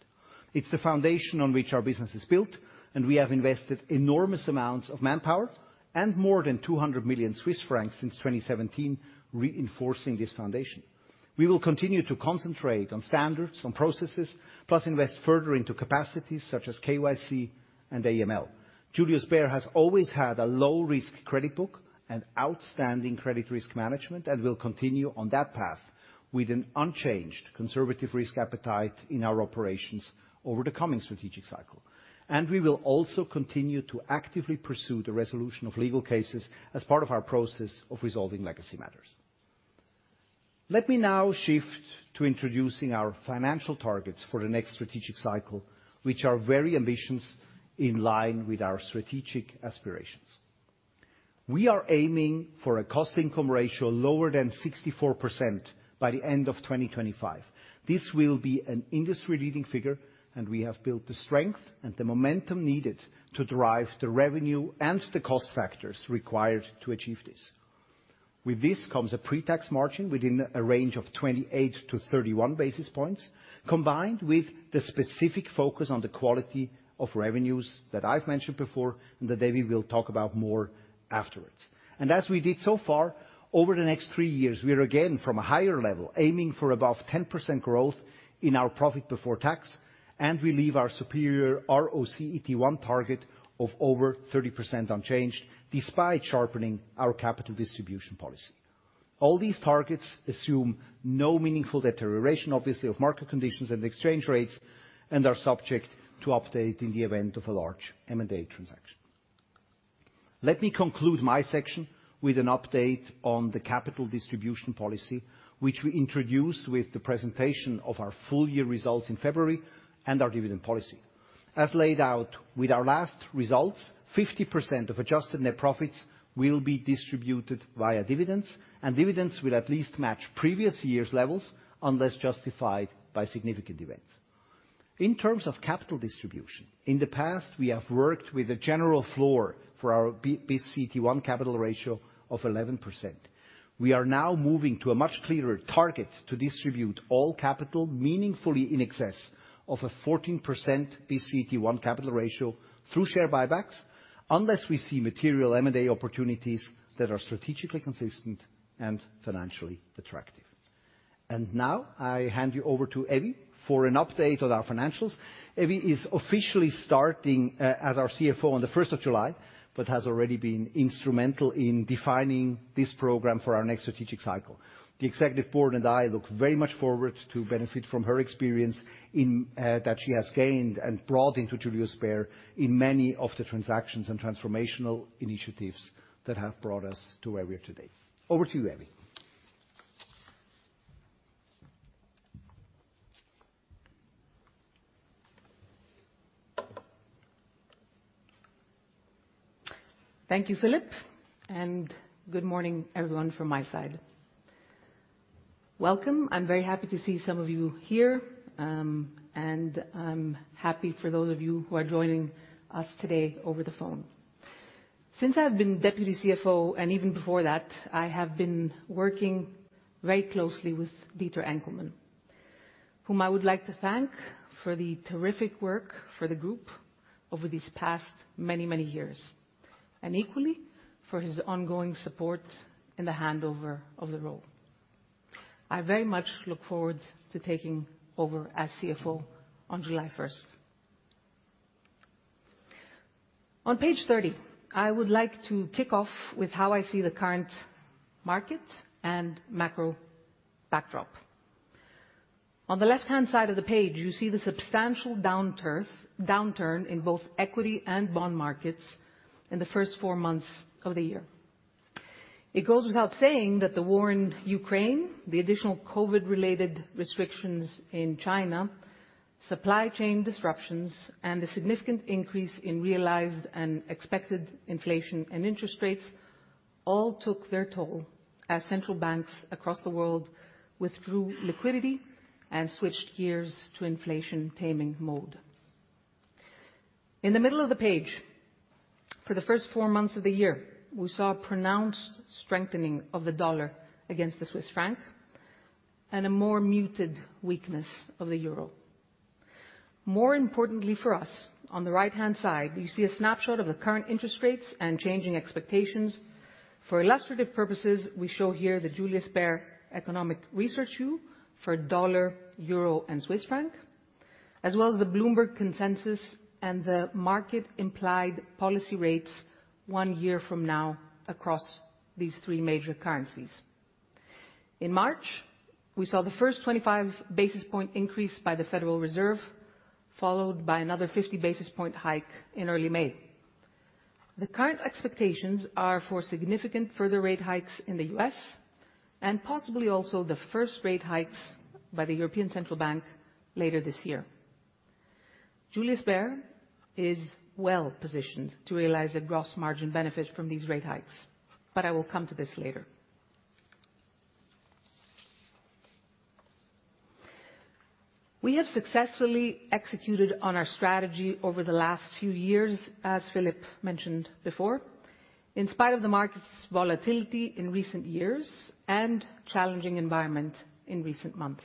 It's the foundation on which our business is built, and we have invested enormous amounts of manpower and more than 200 million Swiss francs since 2017 reinforcing this foundation. We will continue to concentrate on standards and processes, plus invest further into capacities such as KYC and AML. Julius Bär has always had a low-risk credit book and outstanding credit risk management and will continue on that path with an unchanged conservative risk appetite in our operations over the coming strategic cycle. We will also continue to actively pursue the resolution of legal cases as part of our process of resolving legacy matters. Let me now shift to introducing our financial targets for the next strategic cycle, which are very ambitious in line with our strategic aspirations. We are aiming for a cost-income ratio lower than 64% by the end of 2025. This will be an industry-leading figure, and we have built the strength and the momentum needed to drive the revenue and the cost factors required to achieve this. With this comes a pre-tax margin within a range of 28-31 basis points, combined with the specific focus on the quality of revenues that I've mentioned before and that Evie will talk about more afterwards. As we did so far, over the next three years, we are again from a higher level, aiming for above 10% growth in our profit before tax, and we leave our superior RoCET1 target of over 30% unchanged despite sharpening our capital distribution policy. All these targets assume no meaningful deterioration, obviously, of market conditions and exchange rates and are subject to update in the event of a large M&A transaction. Let me conclude my section with an update on the capital distribution policy, which we introduced with the presentation of our full year results in February and our dividend policy. As laid out with our last results, 50% of adjusted net profits will be distributed via dividends, and dividends will at least match previous years' levels unless justified by significant events. In terms of capital distribution, in the past, we have worked with a general floor for our CET1 capital ratio of 11%. We are now moving to a much clearer target to distribute all capital meaningfully in excess of a 14% CET1 capital ratio through share buybacks unless we see material M&A opportunities that are strategically consistent and financially attractive. Now I hand you over to Evie for an update on our financials. Evie is officially starting as our CFO on the first of July, but has already been instrumental in defining this program for our next strategic cycle. The executive board and I look very much forward to benefit from her experience in that she has gained and brought into Julius Bär in many of the transactions and transformational initiatives that have brought us to where we are today. Over to you, Evie. Thank you, Philipp, and good morning everyone from my side. Welcome. I'm very happy to see some of you here, and I'm happy for those of you who are joining us today over the phone. Since I've been deputy CFO, and even before that, I have been working very closely with Dieter Enkelmann, whom I would like to thank for the terrific work for the group over these past many, many years. Equally, for his ongoing support in the handover of the role. I very much look forward to taking over as CFO on July first. On page 30, I would like to kick off with how I see the current market and macro backdrop. On the left-hand side of the page, you see the substantial downturn in both equity and bond markets in the first four months of the year. It goes without saying that the war in Ukraine, the additional COVID-related restrictions in China, supply chain disruptions, and the significant increase in realized and expected inflation and interest rates all took their toll as central banks across the world withdrew liquidity and switched gears to inflation-taming mode. In the middle of the page, for the first four months of the year, we saw a pronounced strengthening of the dollar against the Swiss franc, and a more muted weakness of the euro. More importantly for us, on the right-hand side, you see a snapshot of the current interest rates and changing expectations. For illustrative purposes, we show here the Julius Bär economic research view for dollar, euro, and Swiss franc, as well as the Bloomberg consensus and the market-implied policy rates one year from now across these three major currencies. In March, we saw the first 25 basis point increase by the Federal Reserve, followed by another 50 basis point hike in early May. The current expectations are for significant further rate hikes in the U.S., and possibly also the first rate hikes by the European Central Bank later this year. Julius Bär is well-positioned to realize a gross margin benefit from these rate hikes, but I will come to this later. We have successfully executed on our strategy over the last few years, as Philipp mentioned before, in spite of the market's volatility in recent years and challenging environment in recent months.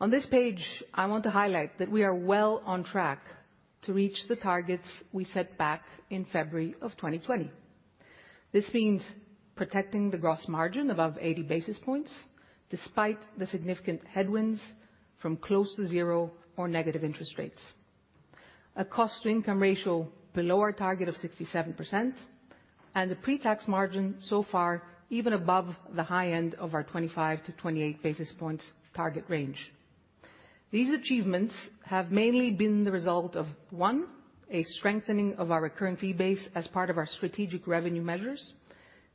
On this page, I want to highlight that we are well on track to reach the targets we set back in February of 2020. This means protecting the gross margin above 80 basis points, despite the significant headwinds from close to zero or negative interest rates. A cost-income ratio below our target of 67%, and the pre-tax margin so far even above the high end of our 25-28 basis points target range. These achievements have mainly been the result of, one, a strengthening of our recurring fee base as part of our strategic revenue measures.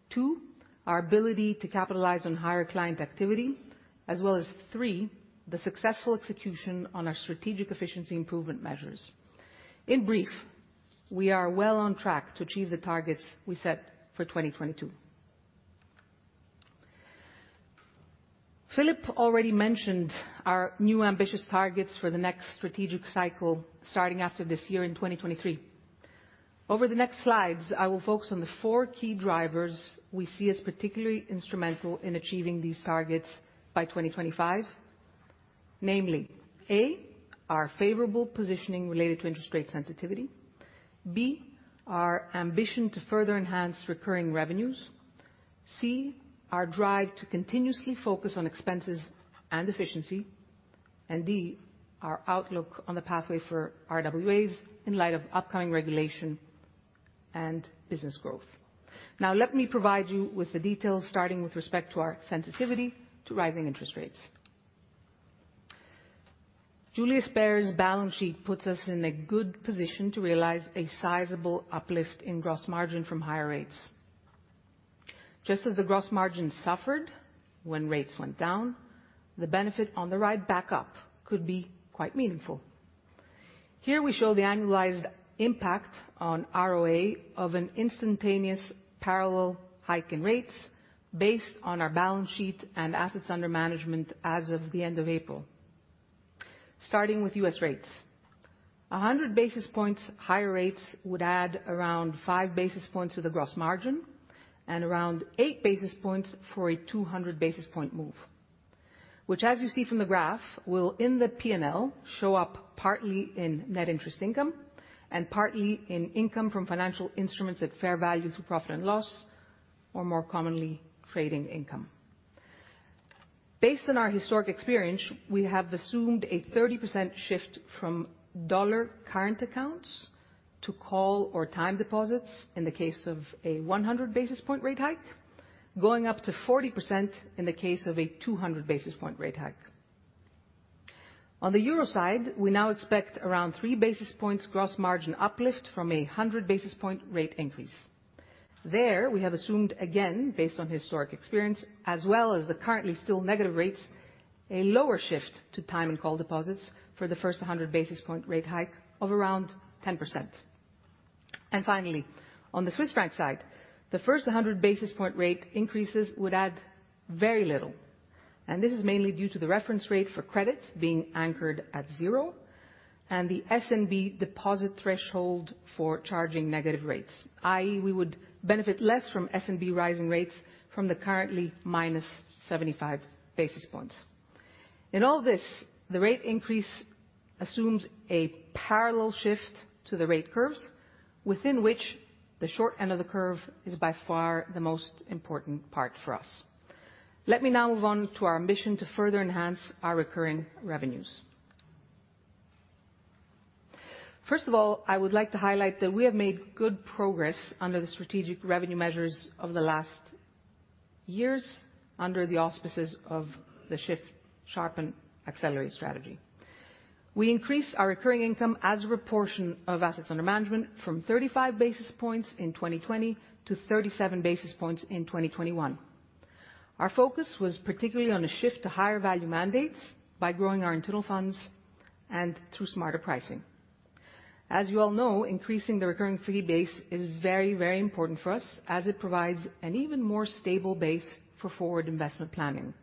Two, our ability to capitalize on higher client activity, as well as, three, the successful execution on our strategic efficiency improvement measures. In brief, we are well on track to achieve the targets we set for 2022. Philipp already mentioned our new ambitious targets for the next strategic cycle starting after this year in 2023. Over the next slides, I will focus on the four key drivers we see as particularly instrumental in achieving these targets by 2025. Namely, A, our favorable positioning related to interest rate sensitivity. B, our ambition to further enhance recurring revenues. C, our drive to continuously focus on expenses and efficiency. D, our outlook on the pathway for RWAs in light of upcoming regulation and business growth. Now let me provide you with the details starting with respect to our sensitivity to rising interest rates. Julius Bär's balance sheet puts us in a good position to realize a sizable uplift in gross margin from higher rates. Just as the gross margin suffered when rates went down, the benefit on the ride back up could be quite meaningful. Here we show the annualized impact on ROA of an instantaneous parallel hike in rates based on our balance sheet and assets under management as of the end of April. Starting with U.S. rates. 100 basis points higher rates would add around 5 basis points to the gross margin and around 8 basis points for a 200 basis point move, which as you see from the graph, will in the P&L show up partly in net interest income and partly in income from financial instruments at fair value through profit and loss or more commonly, trading income. Based on our historic experience, we have assumed a 30% shift from dollar current accounts to call or time deposits in the case of a 100 basis point rate hike, going up to 40% in the case of a 200 basis point rate hike. On the euro side, we now expect around 3 basis points gross margin uplift from a 100 basis point rate increase. There, we have assumed again, based on historical experience as well as the currently still negative rates, a lower shift to time and call deposits for the first 100 basis point rate hike of around 10%. Finally, on the Swiss franc side, the first 100 basis point rate increases would add very little, and this is mainly due to the reference rate for credits being anchored at zero. The SNB deposit threshold for charging negative rates, i.e., we would benefit less from SNB rising rates from the currently -75 basis points. In all this, the rate increase assumes a parallel shift to the rate curves, within which the short end of the curve is by far the most important part for us. Let me now move on to our mission to further enhance our recurring revenues. First of all, I would like to highlight that we have made good progress under the strategic revenue measures over the last years under the auspices of the Shift, Sharpen, Accelerate strategy. We increased our recurring income as a proportion of assets under management from 35 basis points in 2020 to 37 basis points in 2021. Our focus was particularly on a shift to higher value mandates by growing our internal funds and through smarter pricing. As you all know, increasing the recurring fee base is very, very important for us as it provides an even more stable base for forward investment planning,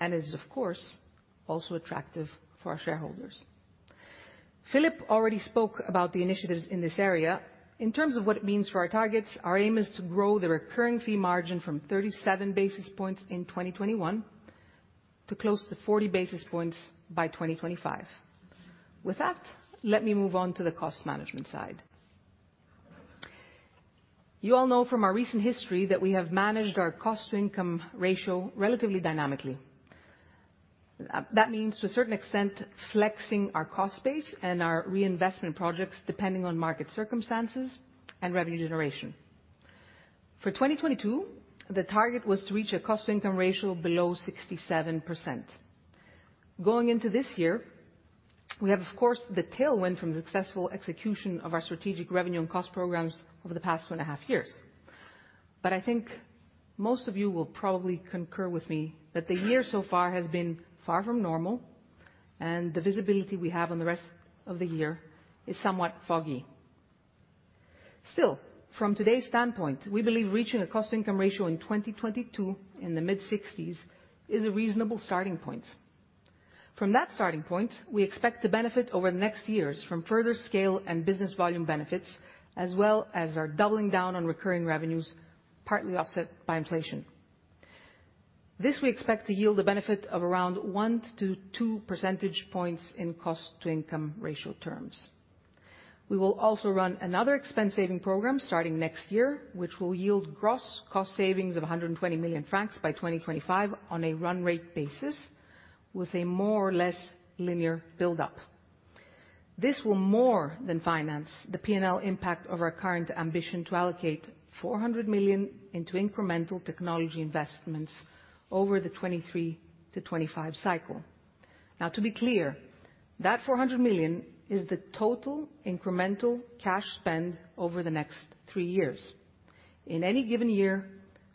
and is of course, also attractive for our shareholders. Philipp already spoke about the initiatives in this area. In terms of what it means for our targets, our aim is to grow the recurring fee margin from 37 basis points in 2021 to close to 40 basis points by 2025. With that, let me move on to the cost management side. You all know from our recent history that we have managed our cost-to-income ratio relatively dynamically. That means to a certain extent, flexing our cost base and our reinvestment projects depending on market circumstances and revenue generation. For 2022, the target was to reach a cost-income ratio below 67%. Going into this year, we have of course, the tailwind from the successful execution of our strategic revenue and cost programs over the past two and a half years. I think most of you will probably concur with me that the year so far has been far from normal, and the visibility we have on the rest of the year is somewhat foggy. Still, from today's standpoint, we believe reaching a cost-income ratio in 2022 in the mid-60s% is a reasonable starting point. From that starting point, we expect to benefit over the next years from further scale and business volume benefits, as well as our doubling down on recurring revenues, partly offset by inflation. This we expect to yield a benefit of around 1-2 percentage points in cost-to-income ratio terms. We will also run another expense saving program starting next year, which will yield gross cost savings of 120 million francs by 2025 on a run rate basis with a more or less linear build-up. This will more than finance the P&L impact of our current ambition to allocate 400 million into incremental technology investments over the 2023-2025 cycle. To be clear, that 400 million is the total incremental cash spend over the next three years. In any given year,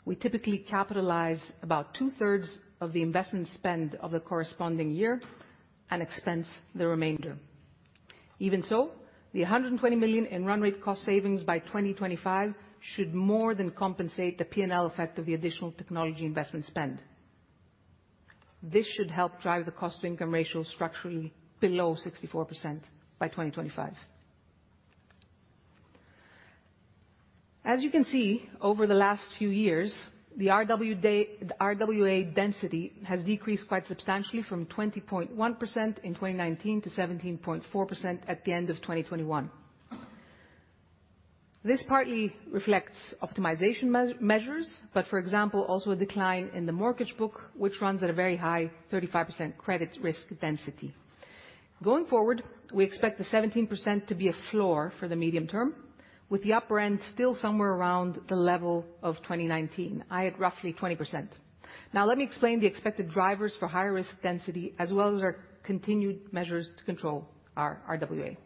we typically capitalize about two-thirds of the investment spend of the corresponding year and expense the remainder. Even so, the 120 million in run rate cost savings by 2025 should more than compensate the P&L effect of the additional technology investment spend. This should help drive the cost-income ratio structurally below 64% by 2025. As you can see, over the last few years, the RWA density has decreased quite substantially from 20.1% in 2019 to 17.4% at the end of 2021. This partly reflects optimization measures, but for example, also a decline in the mortgage book, which runs at a very high 35% credit risk density. Going forward, we expect the 17% to be a floor for the medium term, with the upper end still somewhere around the level of 2019, i.e. at roughly 20%. Now let me explain the expected drivers for higher risk density, as well as our continued measures to control our RWA.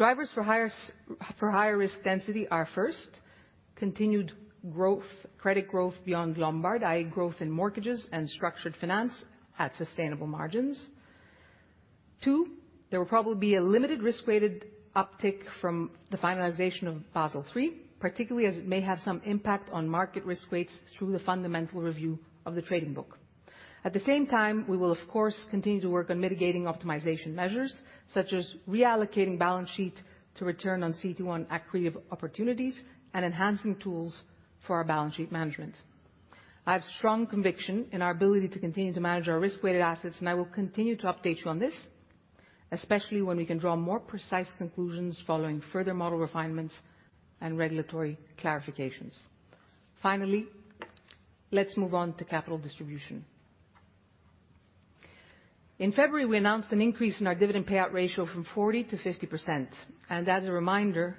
Drivers for higher risk density are, first, continued growth, credit growth beyond Lombard, i.e. growth in mortgages and structured finance at sustainable margins. Two, there will probably be a limited risk-weighted uptick from the finalization of Basel III, particularly as it may have some impact on market risk weights through the Fundamental Review of the Trading Book. At the same time, we will of course continue to work on mitigating optimization measures, such as reallocating balance sheet to return on CET1 accretive opportunities and enhancing tools for our balance sheet management. I have strong conviction in our ability to continue to manage our risk-weighted assets, and I will continue to update you on this, especially when we can draw more precise conclusions following further model refinements and regulatory clarifications. Finally, let's move on to capital distribution. In February, we announced an increase in our dividend payout ratio from 40%-50%. As a reminder,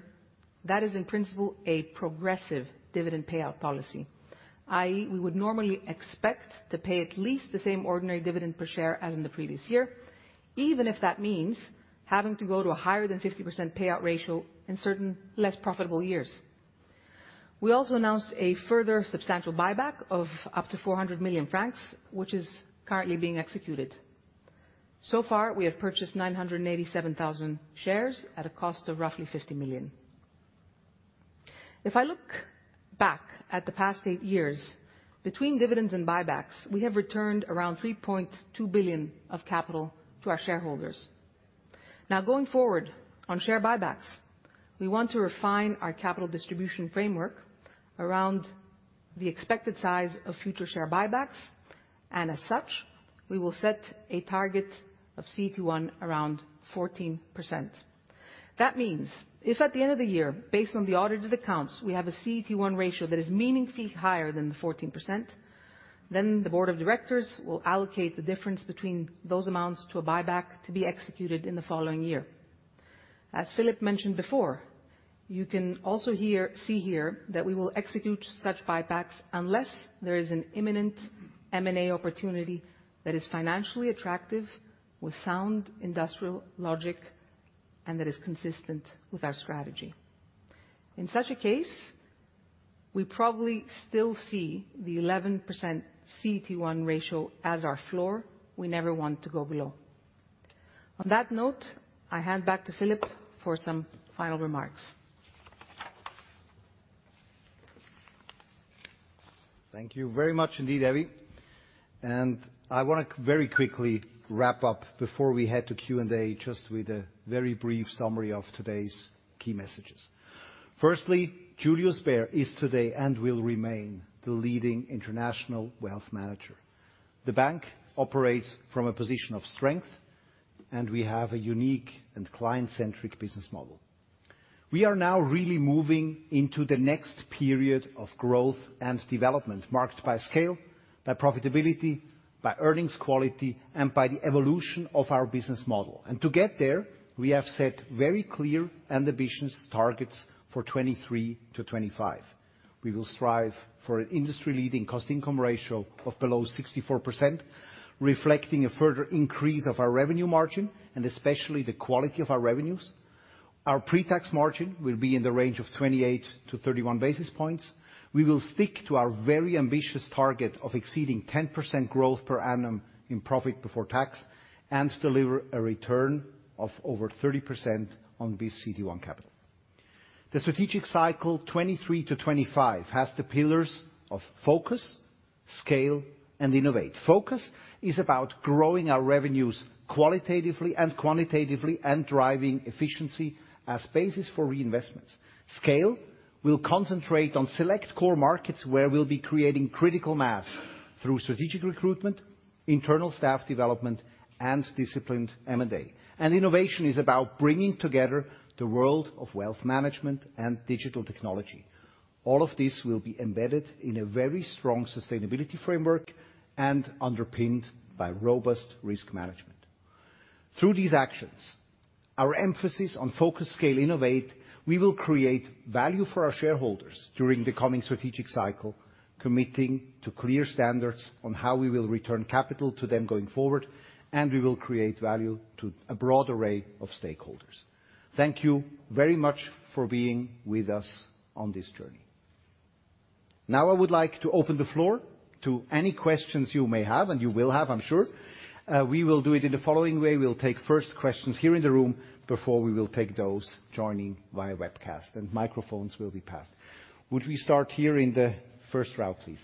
that is in principle a progressive dividend payout policy, i.e. we would normally expect to pay at least the same ordinary dividend per share as in the previous year, even if that means having to go to a higher than 50% payout ratio in certain less profitable years. We also announced a further substantial buyback of up to 400 million francs, which is currently being executed. So far, we have purchased 987,000 shares at a cost of roughly 50 million. If I look back at the past eight years, between dividends and buybacks, we have returned around 3.2 billion of capital to our shareholders. Now going forward on share buybacks, we want to refine our capital distribution framework around the expected size of future share buybacks. As such, we will set a target of CET1 around 14%. That means if at the end of the year, based on the audited accounts, we have a CET1 ratio that is meaningfully higher than the 14%, then the board of directors will allocate the difference between those amounts to a buyback to be executed in the following year. As Philipp mentioned before, you can also hear, see here that we will execute such buybacks unless there is an imminent M&A opportunity that is financially attractive, with sound industrial logic, and that is consistent with our strategy. In such a case, we probably still see the 11% CET1 ratio as our floor. We never want to go below. On that note, I hand back to Philipp for some final remarks. Thank you very much indeed, Evie. I wanna very quickly wrap up before we head to Q&A, just with a very brief summary of today's key messages. Firstly, Julius Bär is today and will remain the leading international wealth manager. The bank operates from a position of strength, and we have a unique and client-centric business model. We are now really moving into the next period of growth and development, marked by scale, by profitability, by earnings quality, and by the evolution of our business model. To get there, we have set very clear and ambitious targets for 2023-2025. We will strive for an industry-leading cost-income ratio of below 64%, reflecting a further increase of our revenue margin and especially the quality of our revenues. Our pre-tax margin will be in the range of 28-31 basis points. We will stick to our very ambitious target of exceeding 10% growth per annum in profit before tax, and to deliver a return of over 30% on this CET1 capital. The strategic cycle 2023 to 2025 has the pillars of focus, scale, and innovate. Focus is about growing our revenues qualitatively and quantitatively, and driving efficiency as basis for reinvestments. Scale will concentrate on select core markets where we'll be creating critical mass through strategic recruitment, internal staff development, and disciplined M&A. Innovation is about bringing together the world of wealth management and digital technology. All of this will be embedded in a very strong sustainability framework and underpinned by robust risk management. Through these actions, our emphasis on focus, scale, innovate, we will create value for our shareholders during the coming strategic cycle, committing to clear standards on how we will return capital to them going forward, and we will create value to a broad array of stakeholders. Thank you very much for being with us on this journey. Now I would like to open the floor to any questions you may have, and you will have, I'm sure. We will do it in the following way. We'll take first questions here in the room before we will take those joining via webcast, and microphones will be passed. Would we start here in the first row, please?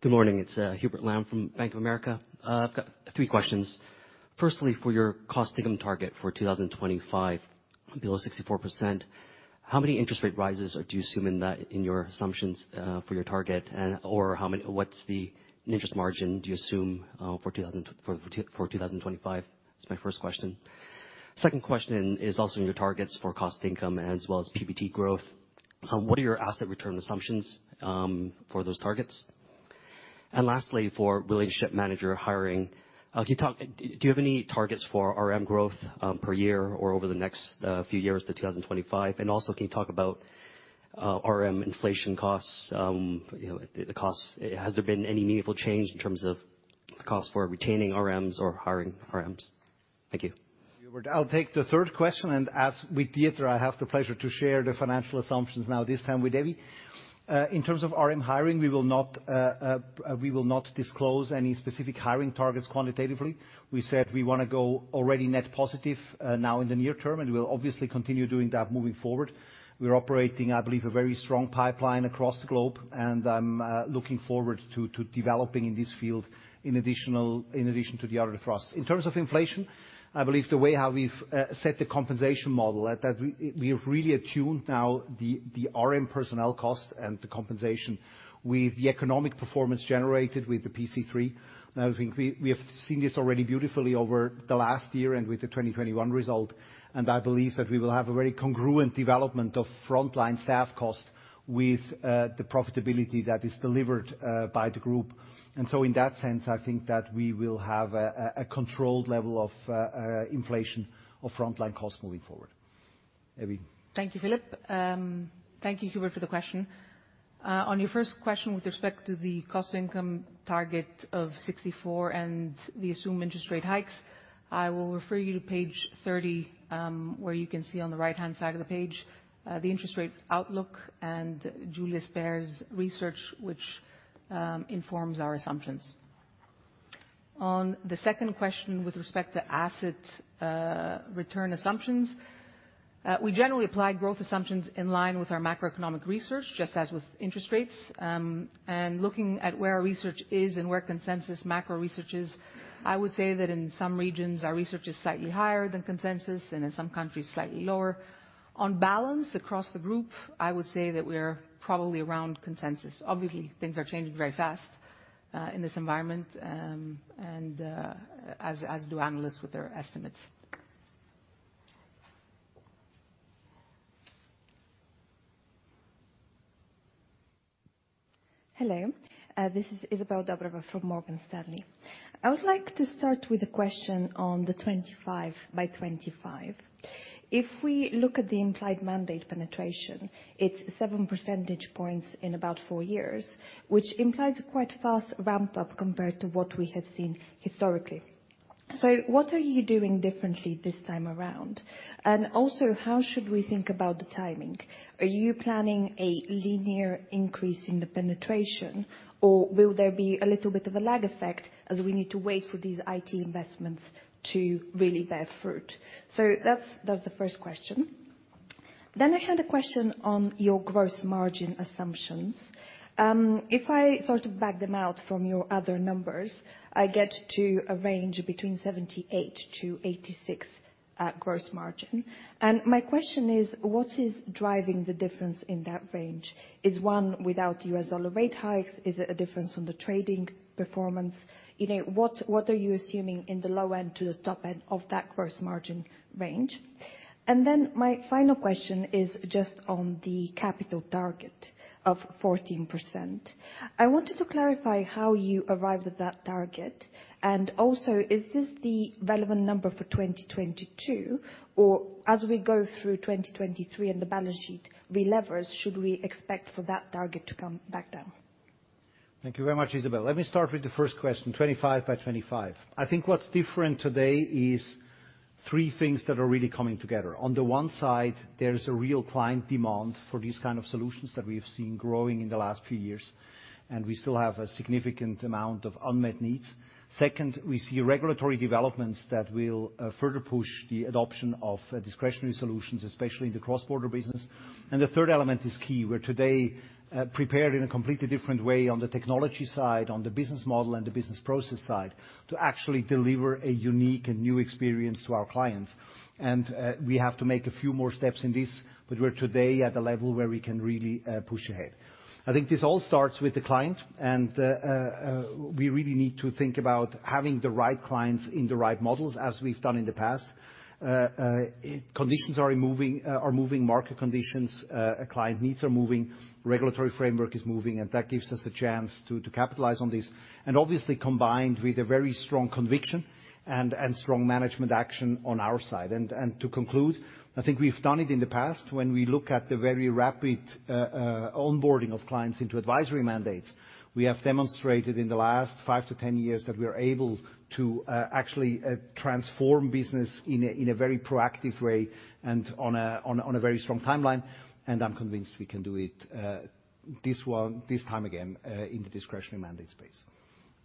Good morning. It's Hubert Lam from Bank of America. I've got three questions. Firstly, for your cost-income target for 2025 below 64%, how many interest rate rises do you assume in that in your assumptions for your target? And or what's the interest margin do you assume for 2025? That's my first question. Second question is also on your targets for cost income as well as PBT growth. What are your asset return assumptions for those targets? And lastly, for relationship manager hiring, do you have any targets for RM growth per year or over the next few years to 2025? And also, can you talk about RM inflation costs? You know, the costs. Has there been any meaningful change in terms of the cost for retaining RMs or hiring RMs? Thank you. Hubert, I'll take the third question. As with Dieter, I have the pleasure to share the financial assumptions now this time with Evie. In terms of RM hiring, we will not disclose any specific hiring targets quantitatively. We said we wanna go already net positive now in the near term, and we'll obviously continue doing that moving forward. We're operating, I believe, a very strong pipeline across the globe, and I'm looking forward to developing in this field in addition to the other thrust. In terms of inflation, I believe the way how we've set the compensation model that we've really attuned now the RM personnel cost and the compensation with the economic performance generated with the PC3. Now I think we have seen this already beautifully over the last year and with the 2021 result, and I believe that we will have a very congruent development of frontline staff costs with the profitability that is delivered by the group. In that sense, I think that we will have a controlled level of inflation of frontline costs moving forward. Evie. Thank you, Philipp. Thank you, Hubert, for the question. On your first question with respect to the cost-income target of 64 and the assumed interest rate hikes, I will refer you to page 30, where you can see on the right-hand side of the page, the interest rate outlook and Julius Bär's research, which informs our assumptions. On the second question with respect to asset return assumptions, we generally apply growth assumptions in line with our macroeconomic research, just as with interest rates. Looking at where our research is, and where consensus macro research is, I would say that in some regions our research is slightly higher than consensus, and in some countries slightly lower. On balance across the group, I would say that we are probably around consensus. Obviously, things are changing very fast in this environment, and as do analysts with their estimates. Hello. This is Izabel Dobreva from Morgan Stanley. I would like to start with a question on the 25 by 25. If we look at the implied mandate penetration, it's seven percentage points in about four years, which implies a quite fast ramp up compared to what we have seen historically. What are you doing differently this time around? And also, how should we think about the timing? Are you planning a linear increase in the penetration, or will there be a little bit of a lag effect as we need to wait for these IT investments to really bear fruit? That's the first question. I had a question on your gross margin assumptions. If I sort of back them out from your other numbers, I get to a range between 78%-86% gross margin. My question is, what is driving the difference in that range? Is one without U.S. dollar rate hikes? Is it a difference on the trading performance? You know, what are you assuming in the low end to the top end of that gross margin range? My final question is just on the capital target of 14%. I wanted to clarify how you arrived at that target, and also is this the relevant number for 2022, or as we go through 2023 and the balance sheet re-leverers, should we expect for that target to come back down? Thank you very much, Izabel. Let me start with the first question, 25 by 25. I think what's different today is three things that are really coming together. On the one side, there's a real client demand for these kind of solutions that we've seen growing in the last few years, and we still have a significant amount of unmet needs. Second, we see regulatory developments that will further push the adoption of discretionary solutions, especially in the cross-border business. And the third element is key. We're today prepared in a completely different way on the technology side, on the business model and the business process side, to actually deliver a unique and new experience to our clients. We have to make a few more steps in this, but we're today at a level where we can really push ahead. I think this all starts with the client, and we really need to think about having the right clients in the right models, as we've done in the past. Conditions are moving, market conditions, client needs are moving, regulatory framework is moving, and that gives us a chance to capitalize on this, and obviously combined with a very strong conviction and strong management action on our side. To conclude, I think we've done it in the past when we look at the very rapid onboarding of clients into advisory mandates. We have demonstrated in the last 5-10 years that we are able to actually transform business in a very proactive way and on a very strong timeline, and I'm convinced we can do it this time again in the discretionary mandate space.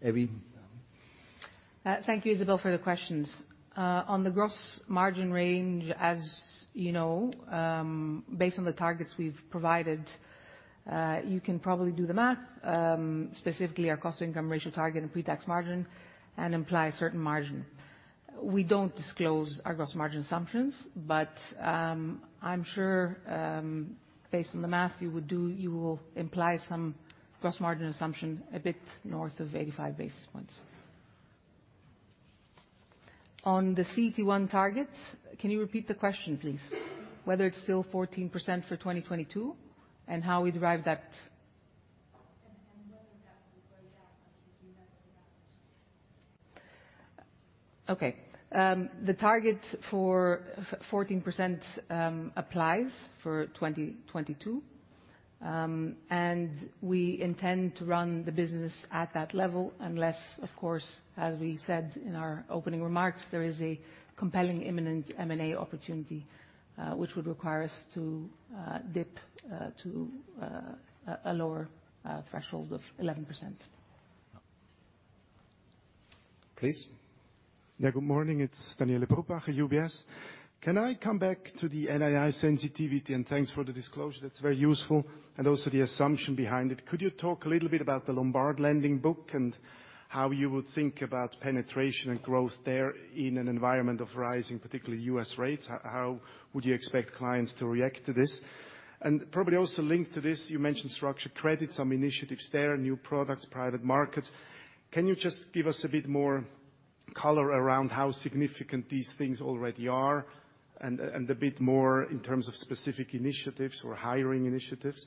Evie? Thank you, Izabel, for the questions. On the gross margin range, as you know, based on the targets we've provided, you can probably do the math, specifically our cost-income ratio target and pre-tax margin, and imply a certain margin. We don't disclose our gross margin assumptions, but, I'm sure, based on the math, you will imply some gross margin assumption a bit north of 85 basis points. On the CET1 target, can you repeat the question, please? Whether it's still 14% for 2022, and how we derive that? Whether that will go down as you meet the balance sheet. Okay. The target for 14% applies for 2022. We intend to run the business at that level unless, of course, as we said in our opening remarks, there is a compelling imminent M&A opportunity, which would require us to dip to a lower threshold of 11%. Please. Yeah, good morning. It's Daniele Brupbacher, UBS. Can I come back to the NII sensitivity? Thanks for the disclosure, that's very useful, and also the assumption behind it. Could you talk a little bit about the Lombard lending book and how you would think about penetration and growth there in an environment of rising, particularly U.S. rates? How would you expect clients to react to this? Probably also linked to this, you mentioned structured credit, some initiatives there, new products, private markets. Can you just give us a bit more color around how significant these things already are and a bit more in terms of specific initiatives or hiring initiatives?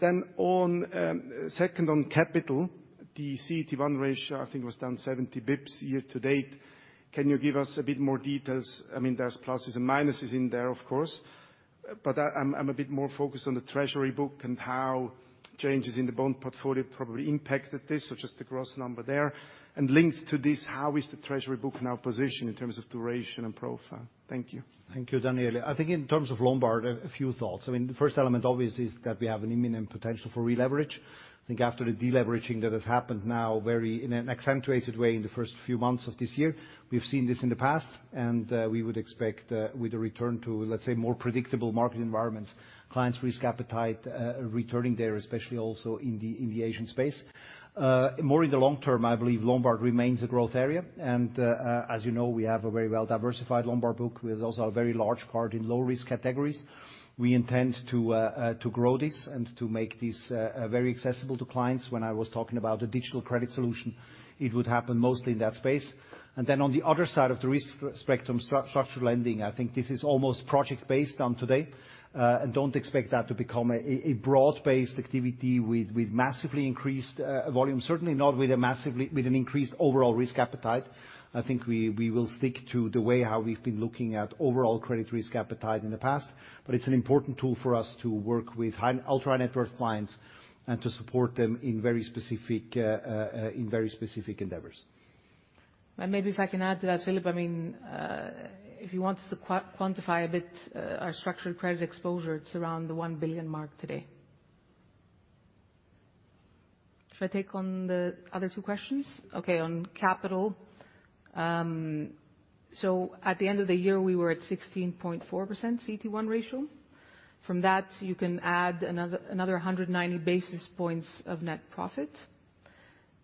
Then on second on capital, the CET1 ratio I think was down 70 basis points year to date. Can you give us a bit more details? I mean, there's pluses and minuses in there, of course. I'm a bit more focused on the treasury book and how changes in the bond portfolio probably impacted this, so just the gross number there. Linked to this, how is the treasury book now positioned in terms of duration and profile? Thank you. Thank you, Daniele. I think in terms of Lombard, a few thoughts. I mean, the first element obviously is that we have an imminent potential for releverage. I think after the deleveraging that has happened now very in an accentuated way in the first few months of this year, we've seen this in the past, and we would expect with a return to, let's say, more predictable market environments, clients' risk appetite returning there, especially also in the Asian space. More in the long term, I believe Lombard remains a growth area, and as you know, we have a very well-diversified Lombard book with also a very large part in low-risk categories. We intend to grow this and to make this very accessible to clients. When I was talking about the digital credit solution, it would happen mostly in that space. On the other side of the risk spectrum, structural lending, I think this is almost project-based as of today. Don't expect that to become a broad-based activity with massively increased volume, certainly not with an increased overall risk appetite. I think we will stick to the way how we've been looking at overall credit risk appetite in the past, but it's an important tool for us to work with ultra-high net worth clients and to support them in very specific endeavors. Maybe if I can add to that, Philipp, I mean, if you want to quantify a bit, our structural credit exposure, it's around the 1 billion mark today. Should I take on the other two questions? Okay, on capital. So at the end of the year, we were at 16.4% CET1 ratio. From that, you can add another 190 basis points of net profit.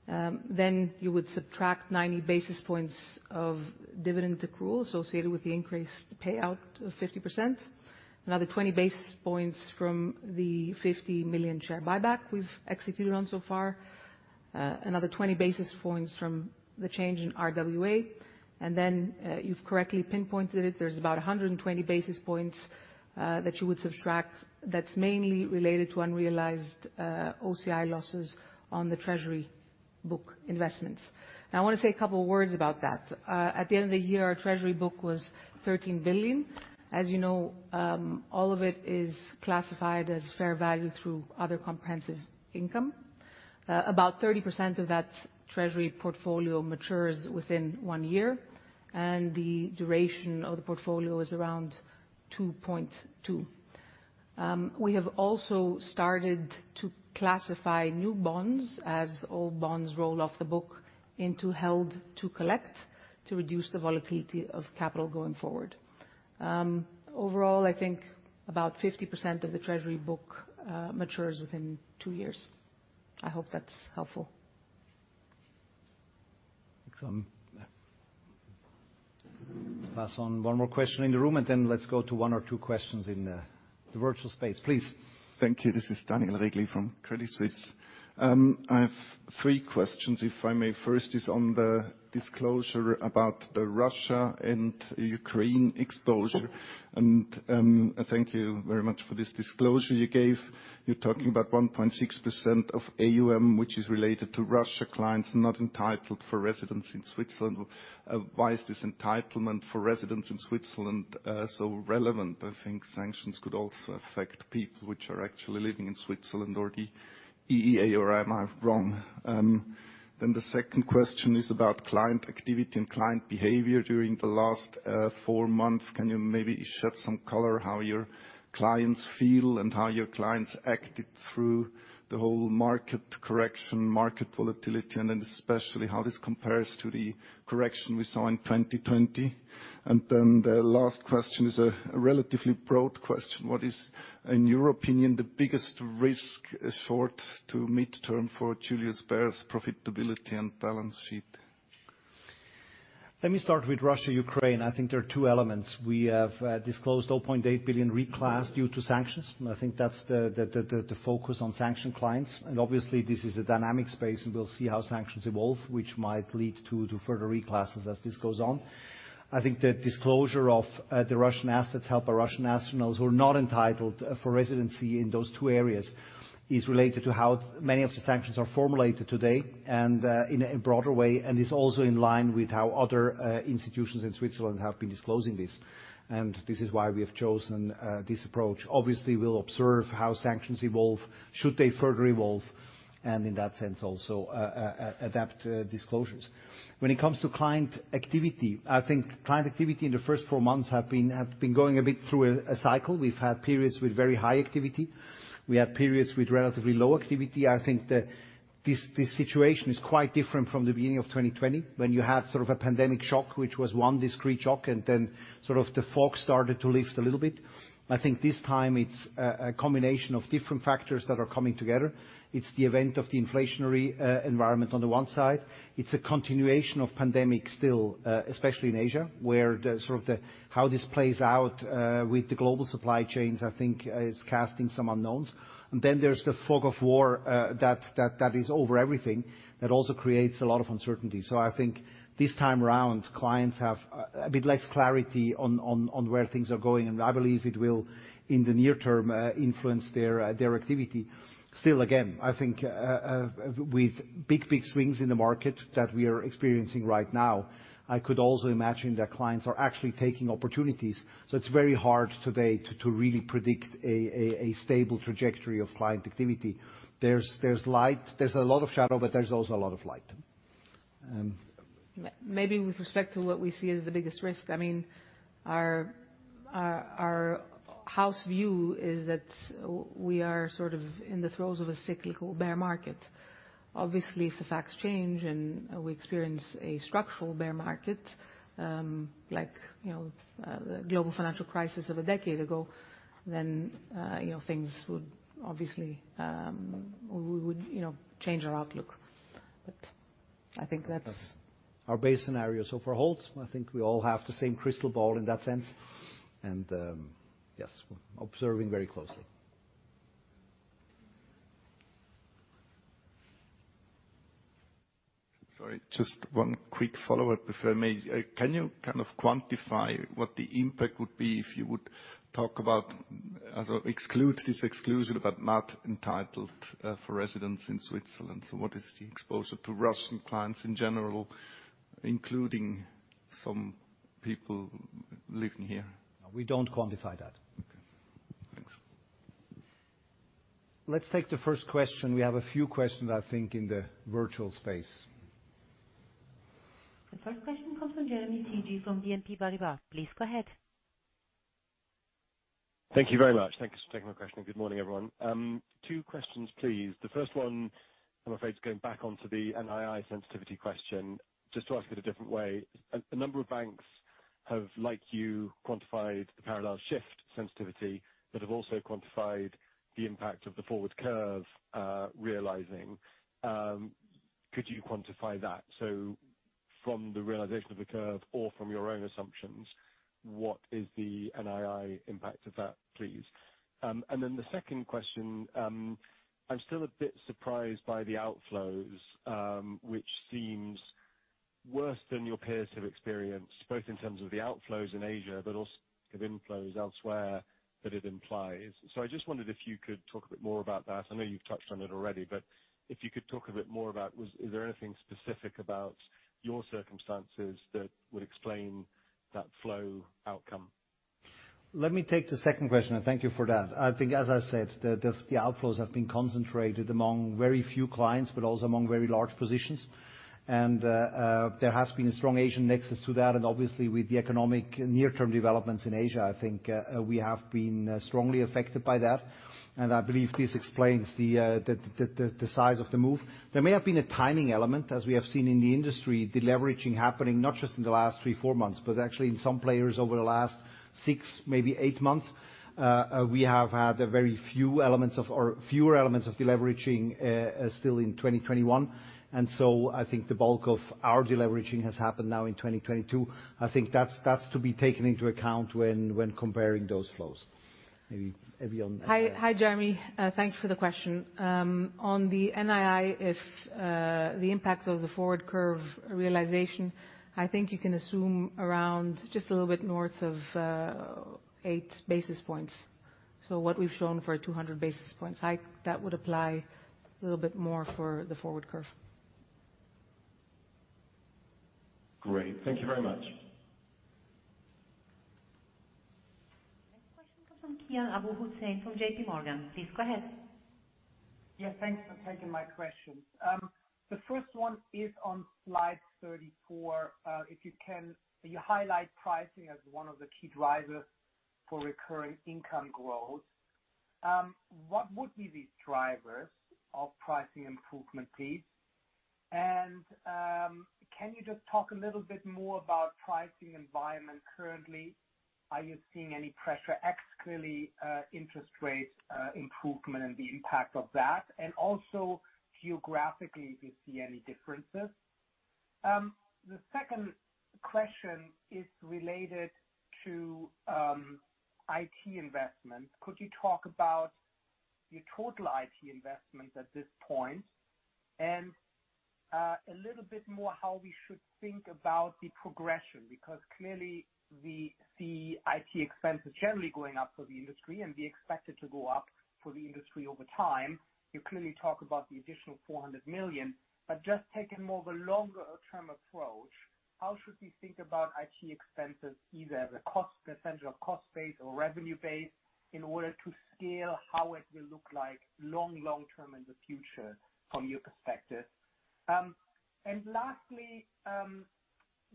Then you would subtract 90 basis points of dividend accrual associated with the increased payout of 50%. Another 20 basis points from the 50 million share buyback we've executed so far. Another 20 basis points from the change in RWA. You've correctly pinpointed it, there's about 120 basis points that you would subtract that's mainly related to unrealized OCI losses on the treasury book investments. Now, I wanna say a couple words about that. At the end of the year, our treasury book was 13 billion. As you know, all of it is classified as fair value through other comprehensive income. About 30% of that treasury portfolio matures within one year, and the duration of the portfolio is around 2.2. We have also started to classify new bonds as old bonds roll off the book into held to collect to reduce the volatility of capital going forward. Overall, I think about 50% of the treasury book matures within two years. I hope that's helpful. Thanks. Let's pass on one more question in the room, and then let's go to one or two questions in the virtual space. Please. Thank you. This is Daniel Regli from Credit Suisse. I have three questions, if I may. First is on the disclosure about the Russia and Ukraine exposure. Thank you very much for this disclosure you gave. You're talking about 1.6% of AUM, which is related to Russia clients not entitled for residence in Switzerland. Why is this entitlement for residents in Switzerland so relevant? I think sanctions could also affect people which are actually living in Switzerland or the EEA, or am I wrong? The second question is about client activity and client behavior during the last four months. Can you maybe shed some color how your clients feel and how your clients acted through the whole market correction, market volatility, and then especially how this compares to the correction we saw in 2020? The last question is a relatively broad question. What is, in your opinion, the biggest risk short to mid-term for Julius Bär's profitability and balance sheet? Let me start with Russia-Ukraine. I think there are two elements. We have disclosed 0.8 billion reclass due to sanctions, and I think that's the focus on sanctioned clients. Obviously this is a dynamic space, and we'll see how sanctions evolve, which might lead to further reclasses as this goes on. I think the disclosure of the Russian assets held by Russian nationals who are not entitled for residency in those two areas is related to how many of the sanctions are formulated today, and in a broader way, and is also in line with how other institutions in Switzerland have been disclosing this. This is why we have chosen this approach. Obviously, we'll observe how sanctions evolve, should they further evolve, and in that sense also adapt disclosures. When it comes to client activity, I think client activity in the first four months have been going a bit through a cycle. We've had periods with very high activity. We have periods with relatively low activity. I think this situation is quite different from the beginning of 2020, when you had sort of a pandemic shock, which was one discrete shock, and then sort of the fog started to lift a little bit. I think this time it's a combination of different factors that are coming together. It's the advent of the inflationary environment on the one side. It's a continuation of the pandemic still, especially in Asia, where how this plays out with the global supply chains, I think, is casting some unknowns. There's the fog of war that is over everything that also creates a lot of uncertainty. I think this time around, clients have a bit less clarity on where things are going, and I believe it will, in the near term, influence their activity. Still, again, I think with big swings in the market that we are experiencing right now, I could also imagine that clients are actually taking opportunities. It's very hard today to really predict a stable trajectory of client activity. There's light, there's a lot of shadow, but there's also a lot of light. Maybe with respect to what we see as the biggest risk, I mean, our house view is that we are sort of in the throes of a cyclical bear market. Obviously, if the facts change and we experience a structural bear market, like, you know, the global financial crisis of a decade ago, then, you know, things would obviously. We would, you know, change our outlook. But I think that's. Our base scenario. For holds, I think we all have the same crystal ball in that sense. Yes, observing very closely. Sorry, just one quick follow-up if I may. Can you kind of quantify what the impact would be if you would talk about exclude this exclusion, but not entitled, for residents in Switzerland? What is the exposure to Russian clients in general, including some people living here? We don't quantify that. Okay. Thanks. Let's take the first question. We have a few questions, I think, in the virtual space. The first question comes from Jeremy Sigee from BNP Paribas. Please go ahead. Thank you very much. Thanks for taking my question. Good morning, everyone. Two questions, please. The first one, I'm afraid, is going back onto the NII sensitivity question. Just to ask it a different way, a number of banks have, like you, quantified the parallel shift sensitivity but have also quantified the impact of the forward curve realizing. Could you quantify that? So from the realization of the curve or from your own assumptions, what is the NII impact of that, please? And then the second question, I'm still a bit surprised by the outflows, which seems worse than your peers have experienced, both in terms of the outflows in Asia, but also the inflows elsewhere that it implies. I just wondered if you could talk a bit more about that. I know you've touched on it already, but if you could talk a bit more about is there anything specific about your circumstances that would explain that flow outcome? Let me take the second question, and thank you for that. I think as I said, the outflows have been concentrated among very few clients, but also among very large positions. There has been a strong Asian nexus to that. Obviously, with the economic near-term developments in Asia, I think we have been strongly affected by that. I believe this explains the size of the move. There may have been a timing element, as we have seen in the industry, deleveraging happening not just in the last 3-4 months, but actually in some players over the last six, maybe eight months. We have had a very few elements of, or fewer elements of deleveraging still in 2021. I think the bulk of our deleveraging has happened now in 2022. I think that's to be taken into account when comparing those flows. Hi, Jeremy. Thanks for the question. On the NII, if the impact of the forward curve realization, I think you can assume around just a little bit north of 8 basis points. What we've shown for 200 basis points, that would apply a little bit more for the forward curve. Great. Thank you very much. Next question comes from Kian Abouhossein from J.P. Morgan. Please go ahead. Yeah, thanks for taking my questions. The first one is on slide 34. If you can, you highlight pricing as one of the key drivers for recurring income growth. What would be the drivers of pricing improvement please? And, can you just talk a little bit more about pricing environment currently? Are you seeing any pressure, ex clearly, interest rate improvement and the impact of that? And also geographically, do you see any differences? The second question is related to IT investment. Could you talk about your total IT investment at this point and a little bit more how we should think about the progression? Because clearly, the IT expense is generally going up for the industry, and we expect it to go up for the industry over time. You clearly talk about the additional 400 million. Just taking more of a longer-term approach, how should we think about IT expenses, either the cost, potential cost base or revenue base, in order to scale how it will look like long term in the future from your perspective?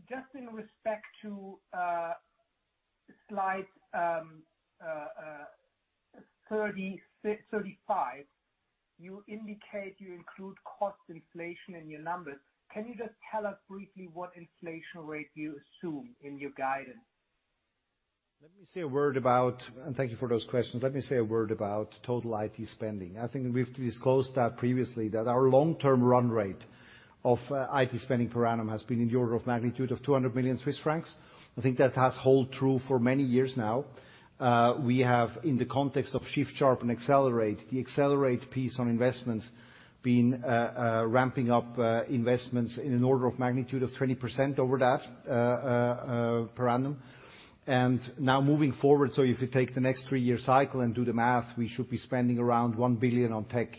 Just in respect to slide 35, you indicate you include cost inflation in your numbers. Can you just tell us briefly what inflation rate you assume in your guidance? Thank you for those questions. Let me say a word about total IT spending. I think we've disclosed that previously, that our long-term run rate of IT spending per annum has been in the order of magnitude of 200 million Swiss francs. I think that has hold true for many years now. We have, in the context of Shift, Sharpen, Accelerate, the Accelerate piece on investments being ramping up investments in an order of magnitude of 20% over that per annum. Now moving forward, if you take the next three-year cycle and do the math, we should be spending around 1 billion on tech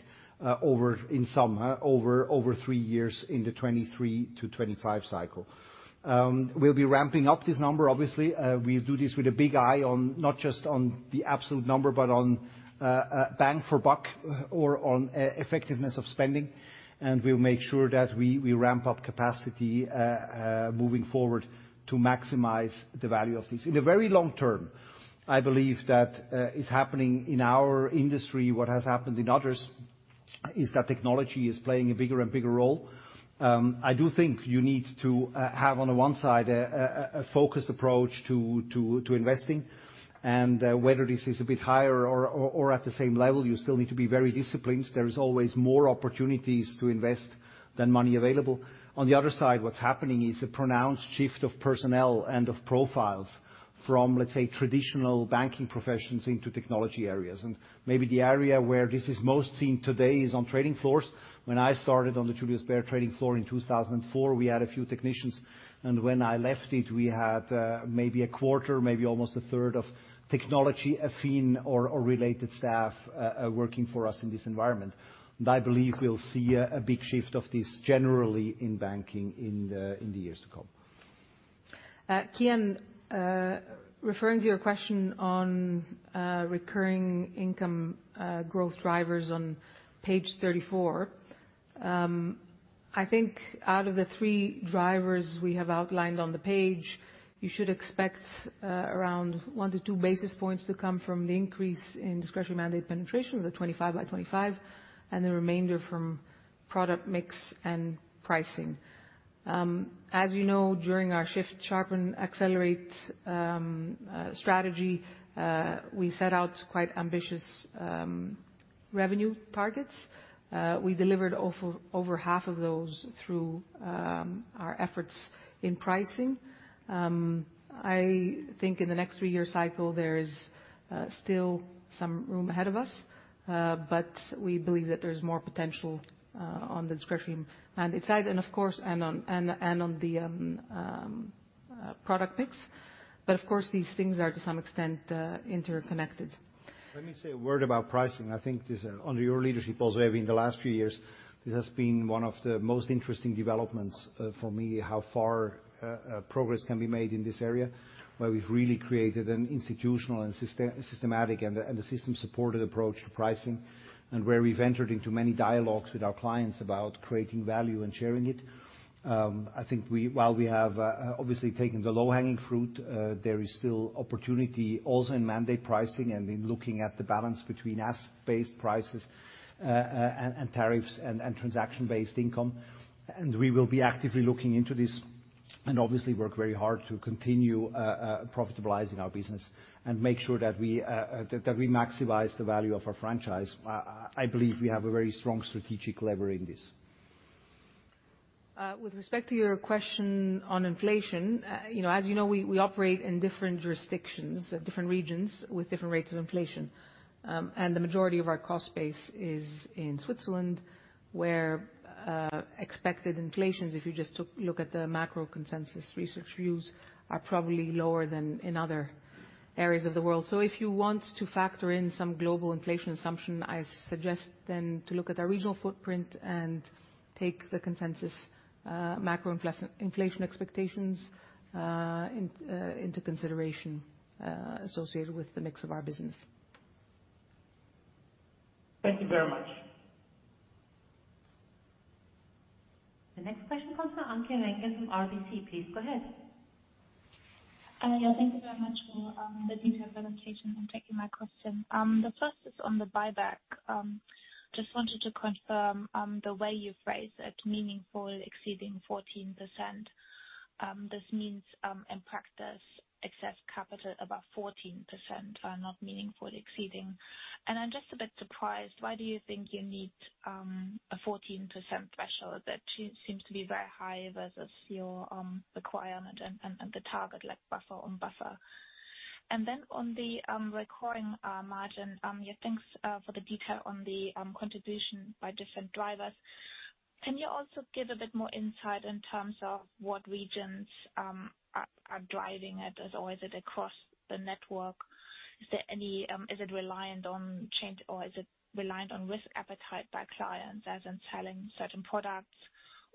over in sum over three years in the 2023-2025 cycle. We'll be ramping up this number, obviously. We'll do this with a big eye on, not just on the absolute number, but on bang for buck or on effectiveness of spending. We'll make sure that we ramp up capacity moving forward to maximize the value of this. In the very long term, I believe that what is happening in our industry is what has happened in others. That technology is playing a bigger and bigger role. I do think you need to have, on the one side, a focused approach to investing. Whether this is a bit higher or at the same level, you still need to be very disciplined. There is always more opportunities to invest than money available. On the other side, what's happening is a pronounced shift of personnel and of profiles from, let's say, traditional banking professions into technology areas. Maybe the area where this is most seen today is on trading floors. When I started on the Julius Bär trading floor in 2004, we had a few technicians, and when I left it, we had maybe a quarter, maybe almost a third of technology-affine or related staff working for us in this environment. I believe we'll see a big shift of this generally in banking in the years to come. Kian, referring to your question on recurring income growth drivers on page 34, I think out of the three drivers we have outlined on the page, you should expect around 1-2 basis points to come from the increase in discretionary mandate penetration, the 25 by 25, and the remainder from product mix and pricing. As you know, during our Shift, Sharpen, Accelerate strategy, we set out quite ambitious revenue targets. We delivered over half of those through our efforts in pricing. I think in the next three-year cycle, there is still some room ahead of us, but we believe that there's more potential on the discretionary mandate side and of course on the product mix. Of course, these things are to some extent, interconnected. Let me say a word about pricing. I think this, under your leadership also, Evie, in the last few years, this has been one of the most interesting developments, for me, how far progress can be made in this area, where we've really created an institutional and systematic and a system-supported approach to pricing, and where we've entered into many dialogues with our clients about creating value and sharing it. I think, while we have obviously taken the low-hanging fruit, there is still opportunity also in mandate pricing and in looking at the balance between asset-based prices, and tariffs and transaction-based income. We will be actively looking into this and obviously work very hard to continue profitable-izing our business and make sure that we maximize the value of our franchise. I believe we have a very strong strategic lever in this. With respect to your question on inflation, you know, as you know, we operate in different jurisdictions of different regions with different rates of inflation. The majority of our cost base is in Switzerland, where expected inflations, if you just look at the macro consensus research views, are probably lower than in other areas of the world. If you want to factor in some global inflation assumption, I suggest then to look at our regional footprint and take the consensus macro inflation expectations into consideration, associated with the mix of our business. Thank you very much. The next question comes from Anke Reingen from RBC. Please go ahead. Yeah, thank you very much for the detailed presentation and taking my question. The first is on the buyback. Just wanted to confirm the way you phrase it, meaningful exceeding 14%. This means in practice, excess capital above 14% are not meaningfully exceeding. I'm just a bit surprised, why do you think you need a 14% threshold? That seems to be very high versus your requirement and the target-like buffer. Then on the recurring margin, yeah, thanks for the detail on the contribution by different drivers. Can you also give a bit more insight in terms of what regions are driving it, as always across the network? Is there any, is it reliant on change or is it reliant on risk appetite by clients as in selling certain products?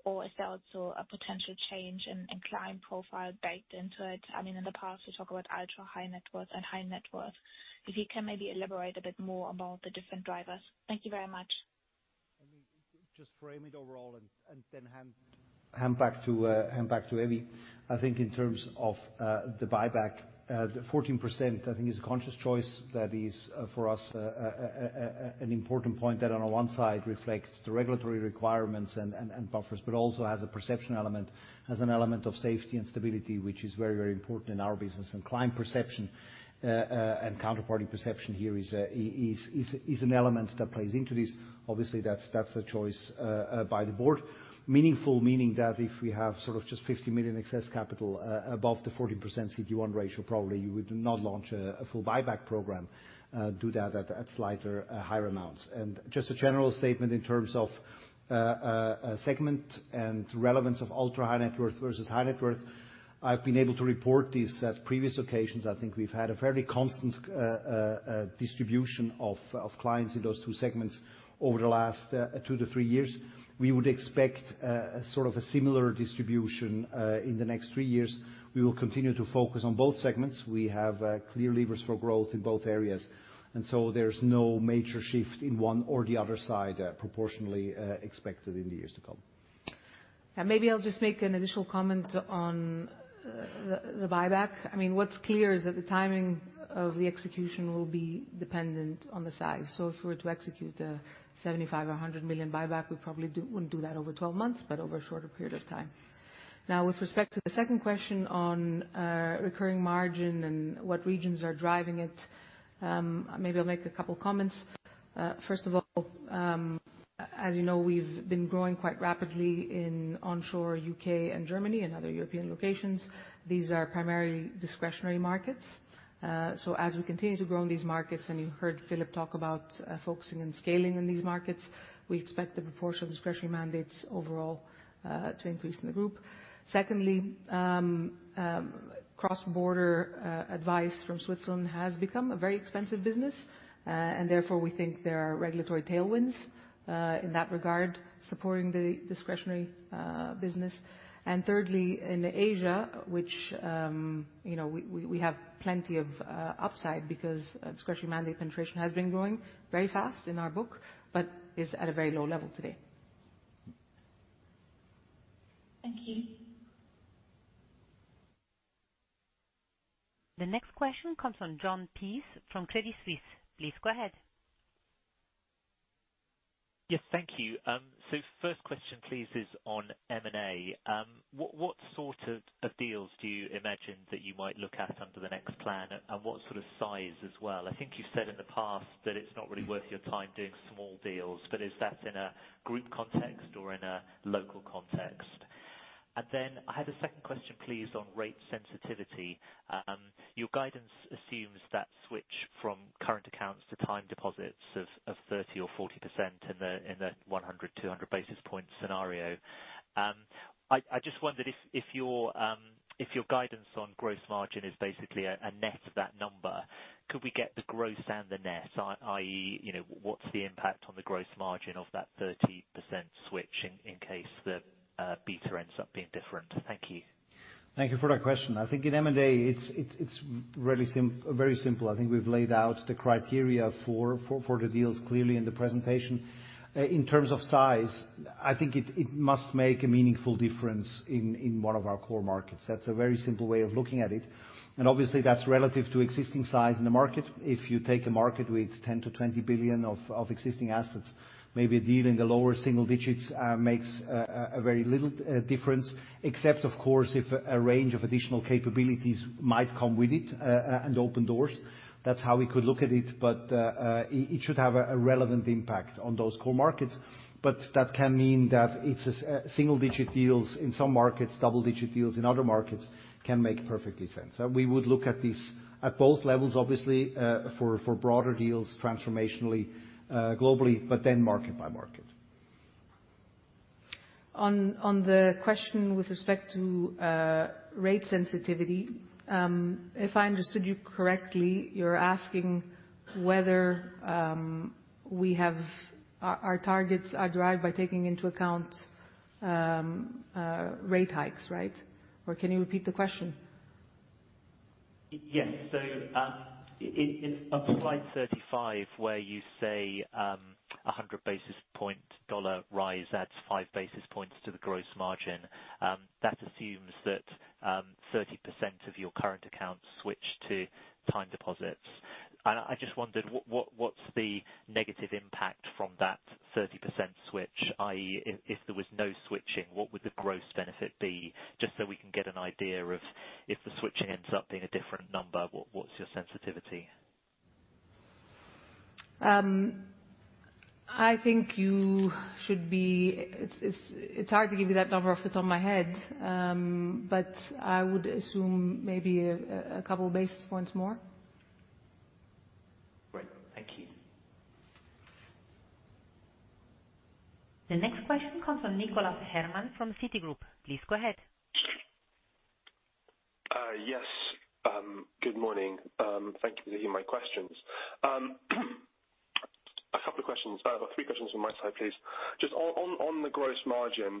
Or is there also a potential change in client profile baked into it? I mean, in the past, we talk about ultra high net worth and high net worth. If you can maybe elaborate a bit more about the different drivers. Thank you very much. Let me just frame it overall and then hand back to Evie. I think in terms of the buyback, the 14%, I think is a conscious choice that is for us an important point that on the one side reflects the regulatory requirements and buffers, but also has a perception element, has an element of safety and stability, which is very important in our business. Client perception and counterparty perception here is an element that plays into this. Obviously, that's a choice by the board. Meaning that if we have sort of just 50 million excess capital above the 14% CET1 ratio, probably we would not launch a full buyback program, do that at slightly higher amounts. Just a general statement in terms of segment and relevance of ultra high net worth versus high net worth. I've been able to report this at previous occasions. I think we've had a fairly constant distribution of clients in those two segments over the last two to three years. We would expect sort of a similar distribution in the next three years. We will continue to focus on both segments. We have clear levers for growth in both areas, and so there's no major shift in one or the other side proportionally expected in the years to come. Maybe I'll just make an additional comment on the buyback. I mean, what's clear is that the timing of the execution will be dependent on the size. If we were to execute a 75 million or 100 million buyback, we probably wouldn't do that over 12 months, but over a shorter period of time. Now, with respect to the second question on recurring margin and what regions are driving it, maybe I'll make a couple comments. First of all, as you know, we've been growing quite rapidly in onshore U.K. and Germany and other European locations. These are primarily discretionary markets. As we continue to grow in these markets, and you heard Philipp talk about focusing and scaling in these markets, we expect the proportion of discretionary mandates overall to increase in the group. Secondly, cross-border advice from Switzerland has become a very expensive business, and therefore we think there are regulatory tailwinds in that regard, supporting the discretionary business. Thirdly, in Asia, which, you know, we have plenty of upside because discretionary mandate penetration has been growing very fast in our book but is at a very low level today. Thank you. The next question comes from Jon Peace from Credit Suisse. Please go ahead. Yes, thank you. So first question, please, is on M&A. What sort of deals do you imagine that you might look at under the next plan, and what sort of size as well? I think you've said in the past that it's not really worth your time doing small deals, but is that in a group context or in a local context? I had a second question, please, on rate sensitivity. Your guidance assumes that switch from current accounts to time deposits of 30 or 40% in the 100-200 basis point scenario. I just wondered if your guidance on gross margin is basically a net of that number, could we get the gross and the net, i.e., you know, what's the impact on the gross margin of that 30% switch in case the beta ends up being different? Thank you. Thank you for that question. I think in M&A, it's really very simple. I think we've laid out the criteria for the deals clearly in the presentation. In terms of size, I think it must make a meaningful difference in one of our core markets. That's a very simple way of looking at it. Obviously that's relative to existing size in the market. If you take a market with 10 billion-20 billion of existing assets, maybe a deal in the lower single digits makes a very little difference, except of course if a range of additional capabilities might come with it and open doors. That's how we could look at it. It should have a relevant impact on those core markets. That can mean that it's single digit deals in some markets, double digit deals in other markets can make perfect sense. We would look at these at both levels, obviously, for broader deals, transformationally, globally, but then market by market. On the question with respect to rate sensitivity, if I understood you correctly, you're asking whether our targets are derived by taking into account rate hikes, right? Or can you repeat the question? Yes. In slide 35, where you say, a 100 basis point dollar rise adds 5 basis points to the gross margin, that assumes that 30% of your current accounts switch to time deposits. I just wondered what's the negative impact from that 30% switch, i.e., if there was no switching, what would the gross benefit be? Just so we can get an idea of if the switching ends up being a different number, what's your sensitivity? It's hard to give you that number off the top of my head, but I would assume maybe a couple basis points more. Great. Thank you. The next question comes from Nicholas Herman from Citigroup. Please go ahead. Yes. Good morning. Thank you for taking my questions. A couple of questions. I have three questions on my side, please. Just on the gross margin,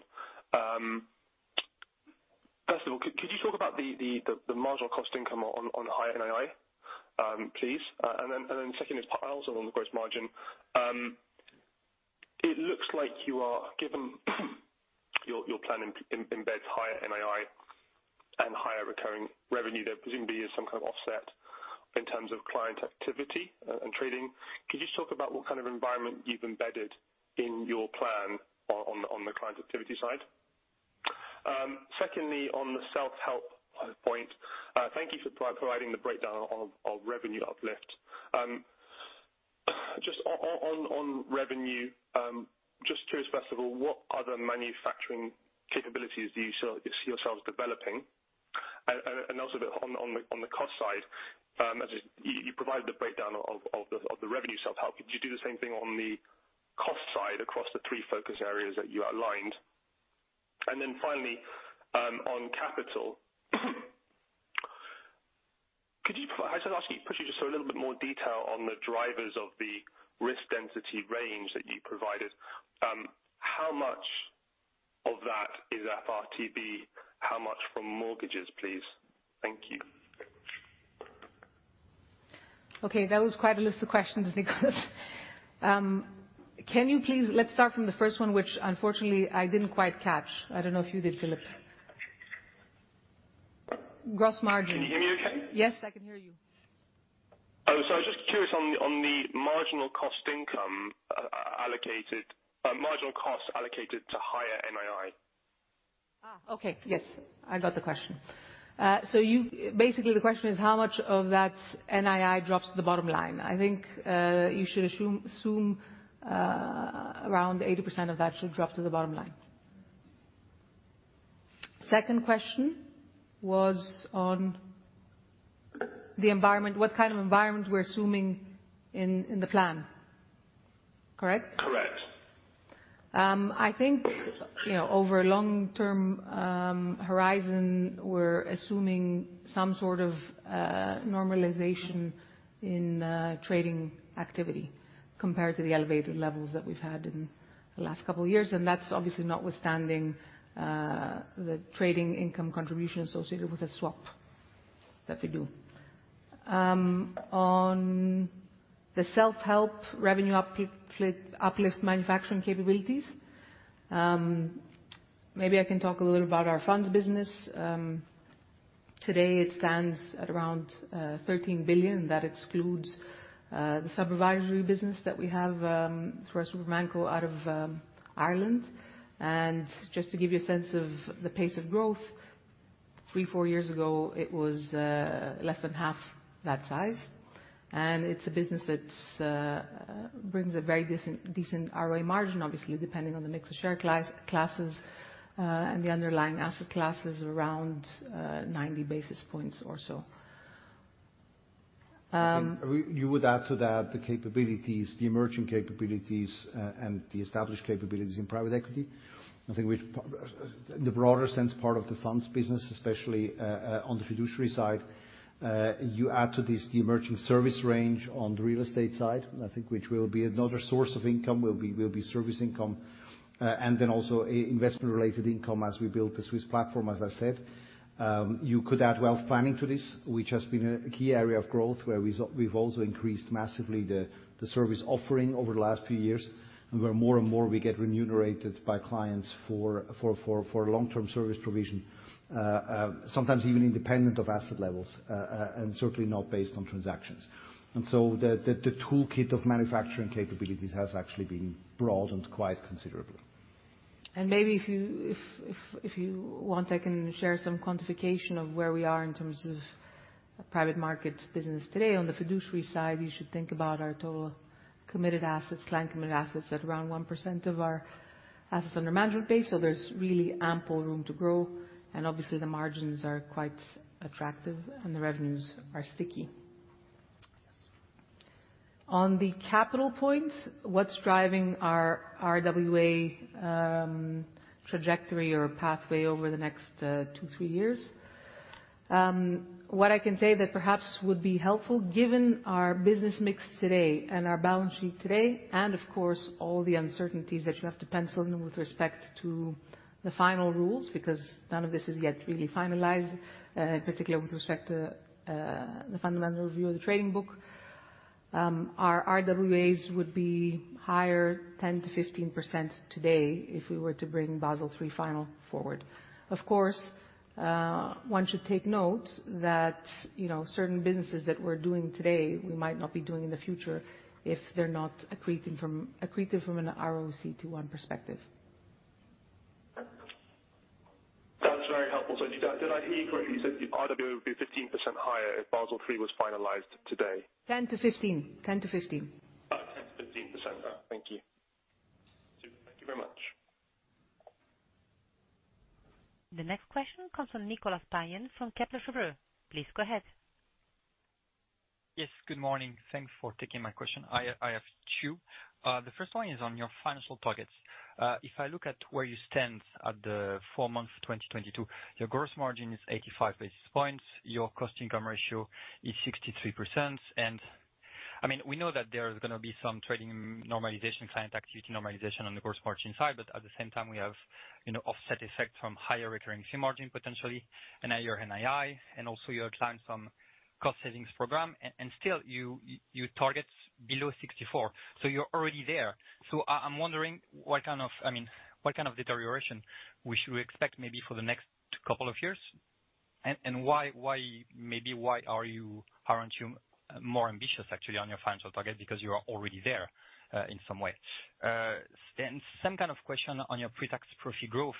first of all, could you talk about the marginal cost-income on high NII, please? Second is also on the gross margin. It looks like you are, given your plan embeds higher NII and higher recurring revenue. There presumably is some kind of offset in terms of client activity and trading. Could you just talk about what kind of environment you've embedded in your plan on the client activity side? Secondly, on the self-help point, thank you for providing the breakdown of revenue uplift. Just on revenue, just curious, first of all, what other manufacturing capabilities do you see yourselves developing? On the cost side, as you provided the breakdown of the revenue self-help. Could you do the same thing on the cost side across the three focus areas that you outlined? Finally, on capital, I should ask you, perhaps you just a little bit more detail on the drivers of the risk density range that you provided. How much of that is FRTB? How much from mortgages, please? Thank you. Okay, that was quite a list of questions, Nicholas. Let's start from the first one, which unfortunately I didn't quite catch. I don't know if you did, Philipp. Gross margin. Can you hear me okay? Yes, I can hear you. I was just curious on the marginal cost-income allocated to higher NII. Okay. Yes, I got the question. Basically, the question is how much of that NII drops to the bottom line. I think, you should assume around 80% of that should drop to the bottom line. Second question was on the environment, what kind of environment we're assuming in the plan. Correct? Correct. I think, you know, over long-term horizon, we're assuming some sort of normalization in trading activity compared to the elevated levels that we've had in the last couple of years. That's obviously notwithstanding the trading income contribution associated with the swap that we do. On the self-help revenue uplift manufacturing capabilities, maybe I can talk a little about our funds business. Today it stands at around 13 billion. That excludes the subsidiary business that we have through our Super ManCo out of Ireland. Just to give you a sense of the pace of growth, 3-4 years ago, it was less than half that size. It's a business that brings a very decent ROA margin, obviously, depending on the mix of share classes, and the underlying asset classes around 90 basis points or so. You would add to that the capabilities, the emerging capabilities, and the established capabilities in private equity. In the broader sense, part of the funds business, especially on the fiduciary side, you add to this the emerging service range on the real estate side, I think which will be another source of income, will be service income, and then also investment related income as we build the Swiss platform, as I said. You could add wealth planning to this, which has been a key area of growth where we've also increased massively the service offering over the last few years, and where more and more we get remunerated by clients for long-term service provision, sometimes even independent of asset levels, and certainly not based on transactions. The toolkit of manufacturing capabilities has actually been broadened quite considerably. Maybe if you want, I can share some quantification of where we are in terms of private market business today. On the fiduciary side, you should think about our total committed assets, client committed assets at around 1% of our assets under management base. There's really ample room to grow, and obviously the margins are quite attractive and the revenues are sticky. On the capital point, what's driving our RWA trajectory or pathway over the next 2-3 years. What I can say that perhaps would be helpful given our business mix today and our balance sheet today, and of course, all the uncertainties that you have to pencil in with respect to the final rules, because none of this is yet really finalized, in particular with respect to the Fundamental Review of the Trading Book, our RWAs would be higher 10%-15% today if we were to bring Basel III final forward. Of course, one should take note that, you know, certain businesses that we're doing today, we might not be doing in the future if they're not accretive from a RoCET1 perspective. That's very helpful. Did I hear you correctly, you said the RWA would be 15% higher if Basel III was finalized today? Ten to fifteen. Ten to fifteen. Oh, 10%-15%. Thank you. Thank you very much. The next question comes from Nicolas Payen from Kepler Cheuvreux. Please go ahead. Yes, good morning. Thanks for taking my question. I have two. The first one is on your financial targets. If I look at where you stand at the four months 2022, your gross margin is 85 basis points, your cost-income ratio is 63%. I mean, we know that there is gonna be some trading normalization, client activity normalization on the gross margin side, but at the same time we have, you know, offset effect from higher recurring fee margin potentially. Now your NII, and also you have planned some cost savings program, and still you target below 64%. You're already there. I'm wondering what kind of deterioration we should expect maybe for the next couple of years, and why aren't you more ambitious actually on your financial target because you are already there in some way? Then some kind of question on your pre-tax profit growth.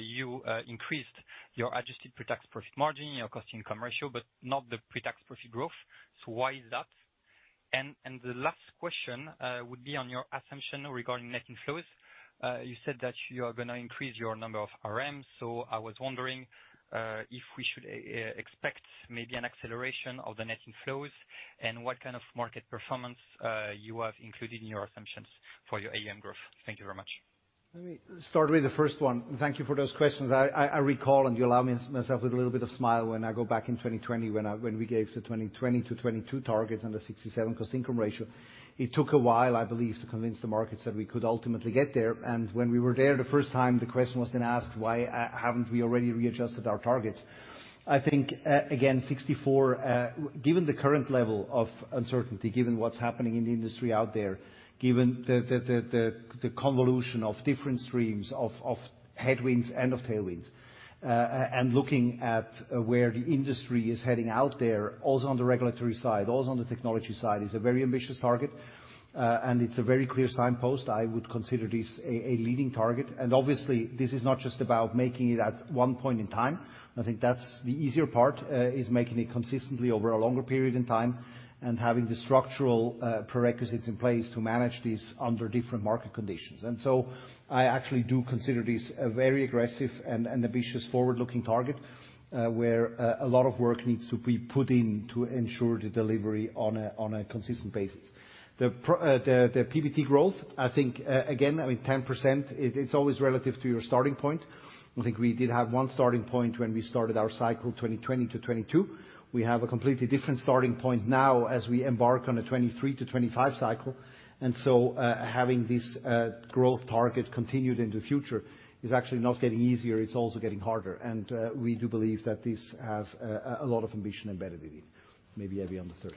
You increased your adjusted pre-tax profit margin, your cost-income ratio, but not the pre-tax profit growth. Why is that? The last question would be on your assumption regarding net inflows. You said that you are gonna increase your number of RMs. I was wondering if we should expect maybe an acceleration of the net inflows and what kind of market performance you have included in your assumptions for your AUM growth. Thank you very much. Let me start with the first one. Thank you for those questions. I recall, and you'll allow me a little smile when I go back to 2020 when we gave the 2020-2022 targets and the 67 cost-income ratio. It took a while, I believe, to convince the markets that we could ultimately get there. When we were there the first time, the question was then asked, why haven't we already readjusted our targets? I think, again, 64, given the current level of uncertainty, given what's happening in the industry out there, given the convolution of different streams of headwinds and tailwinds, and looking at where the industry is heading out there, also on the regulatory side, also on the technology side, is a very ambitious target. It's a very clear signpost. I would consider this a leading target. Obviously, this is not just about making it at one point in time. I think that's the easier part, is making it consistently over a longer period in time and having the structural prerequisites in place to manage this under different market conditions. I actually do consider this a very aggressive and ambitious forward-looking target, where a lot of work needs to be put in to ensure the delivery on a consistent basis. The PBT growth, I think, again, I mean 10% it's always relative to your starting point. I think we did have one starting point when we started our cycle, 2020 to 2022. We have a completely different starting point now as we embark on a 2023-2025 cycle. Having this growth target continued into future is actually not getting easier, it's also getting harder. We do believe that this has a lot of ambition embedded in it. Maybe Evie on the third.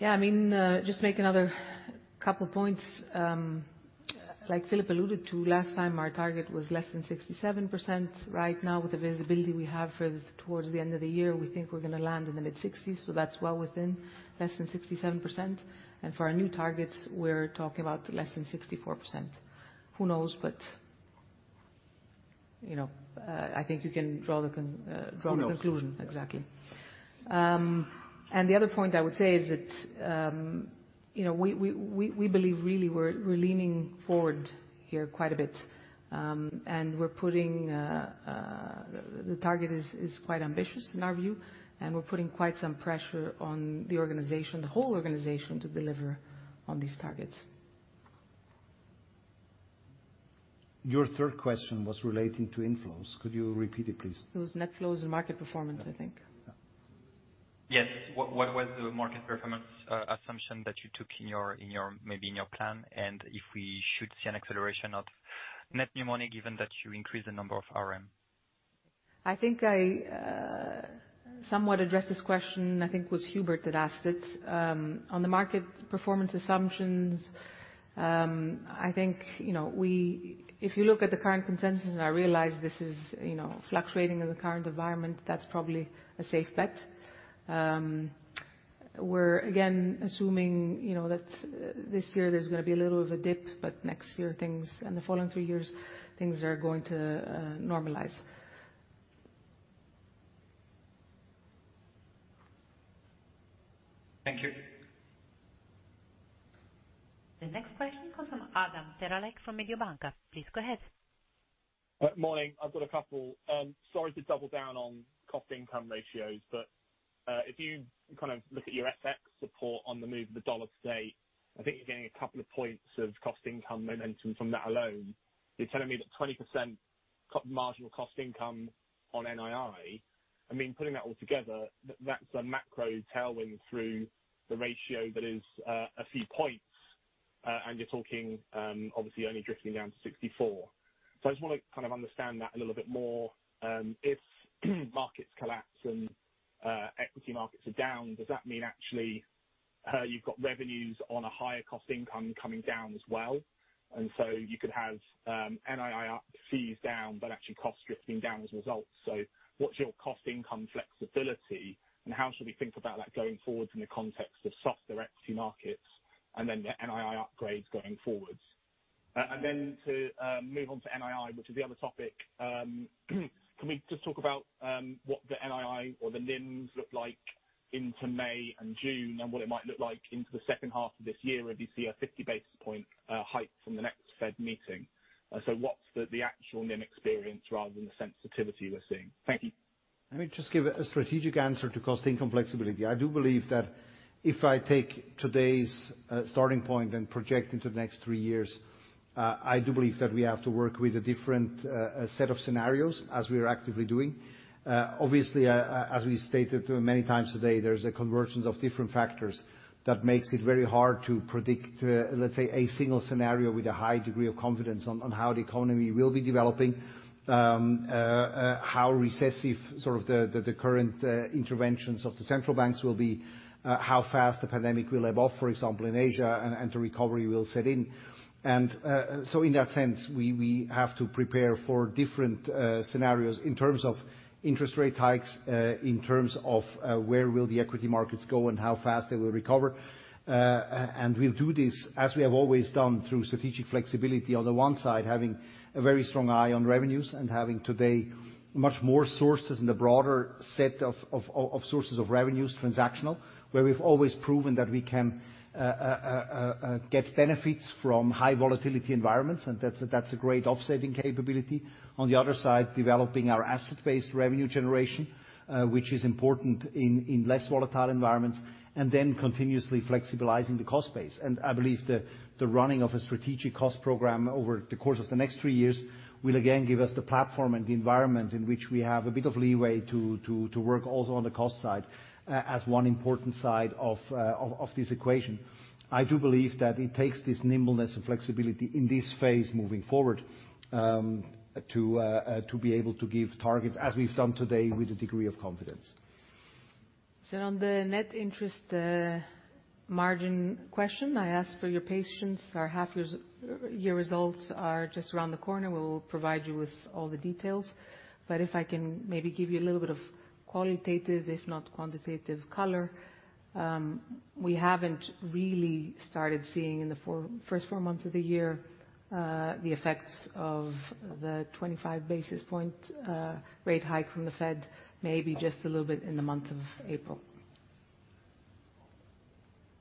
Yeah. I mean, just make another couple points. Like Philipp alluded to last time, our target was less than 67%. Right now, with the visibility we have towards the end of the year, we think we're gonna land in the mid-60s. That's well within less than 67%. For our new targets, we're talking about less than 64%. Who knows? You know, I think you can draw the conclusion. Who knows. Exactly. The other point I would say is that, you know, we believe really we're leaning forward here quite a bit. The target is quite ambitious in our view, and we're putting quite some pressure on the organization, the whole organization, to deliver on these targets. Your third question was relating to inflows. Could you repeat it, please? It was net flows and market performance, I think. Yeah. Yes. What was the market performance assumption that you took in your, maybe, in your plan? If we should see an acceleration of net new money, given that you increased the number of RM? I think I somewhat addressed this question. I think it was Hubert that asked it. On the market performance assumptions, I think, you know, if you look at the current consensus, and I realize this is, you know, fluctuating in the current environment, that's probably a safe bet. We're again assuming, you know, that this year there's gonna be a little of a dip, but next year things and the following three years are going to normalize. Thank you. The next question comes from Adam Terelak from Mediobanca. Please go ahead. Morning. I've got a couple. Sorry to double down on cost-income ratios, but if you kind of look at your FX support on the move of the U.S. dollar today, I think you're getting a couple of points of cost-income momentum from that alone. You're telling me that 20% cost-marginal cost-income on NII, I mean, putting that all together, that's a macro tailwind through the ratio that is a few points, and you're talking obviously only drifting down to 64. So I just wanna kind of understand that a little bit more. If markets collapse and equity markets are down, does that mean actually you've got revenues on a higher cost-income coming down as well? You could have NII up, fees down, but actually costs drifting down as a result. What's your cost-income flexibility, and how should we think about that going forward in the context of softer equity markets and then the NII upgrades going forward? Move on to NII, which is the other topic. Can we just talk about what the NII or the NIMs look like into May and June, and what it might look like into the second half of this year if you see a 50 basis point hike from the next Fed meeting? What's the actual NIM experience rather than the sensitivity we're seeing? Thank you. Let me just give a strategic answer to cost-income flexibility. I do believe that if I take today's starting point and project into the next three years, I do believe that we have to work with a different set of scenarios as we are actively doing. Obviously, as we stated many times today, there's a convergence of different factors that makes it very hard to predict, let's say, a single scenario with a high degree of confidence on how the economy will be developing, how recessive sort of the current interventions of the central banks will be, how fast the pandemic will ebb off, for example, in Asia, and the recovery will set in. In that sense, we have to prepare for different scenarios in terms of interest rate hikes, in terms of where will the equity markets go and how fast they will recover. We'll do this, as we have always done through strategic flexibility. On the one side, having a very strong eye on revenues and having today much more sources and a broader set of sources of revenues, transactional, where we've always proven that we can get benefits from high volatility environments, and that's a great offsetting capability. On the other side, developing our asset-based revenue generation, which is important in less volatile environments, and then continuously flexibilizing the cost base. I believe the running of a strategic cost program over the course of the next three years will again give us the platform and the environment in which we have a bit of leeway to work also on the cost side as one important side of this equation. I do believe that it takes this nimbleness and flexibility in this phase moving forward to be able to give targets as we've done today with a degree of confidence. On the net interest margin question, I ask for your patience. Our half-year results are just around the corner. We will provide you with all the details. If I can maybe give you a little bit of qualitative, if not quantitative color, we haven't really started seeing in the first four months of the year the effects of the 25 basis point rate hike from the Fed, maybe just a little bit in the month of April.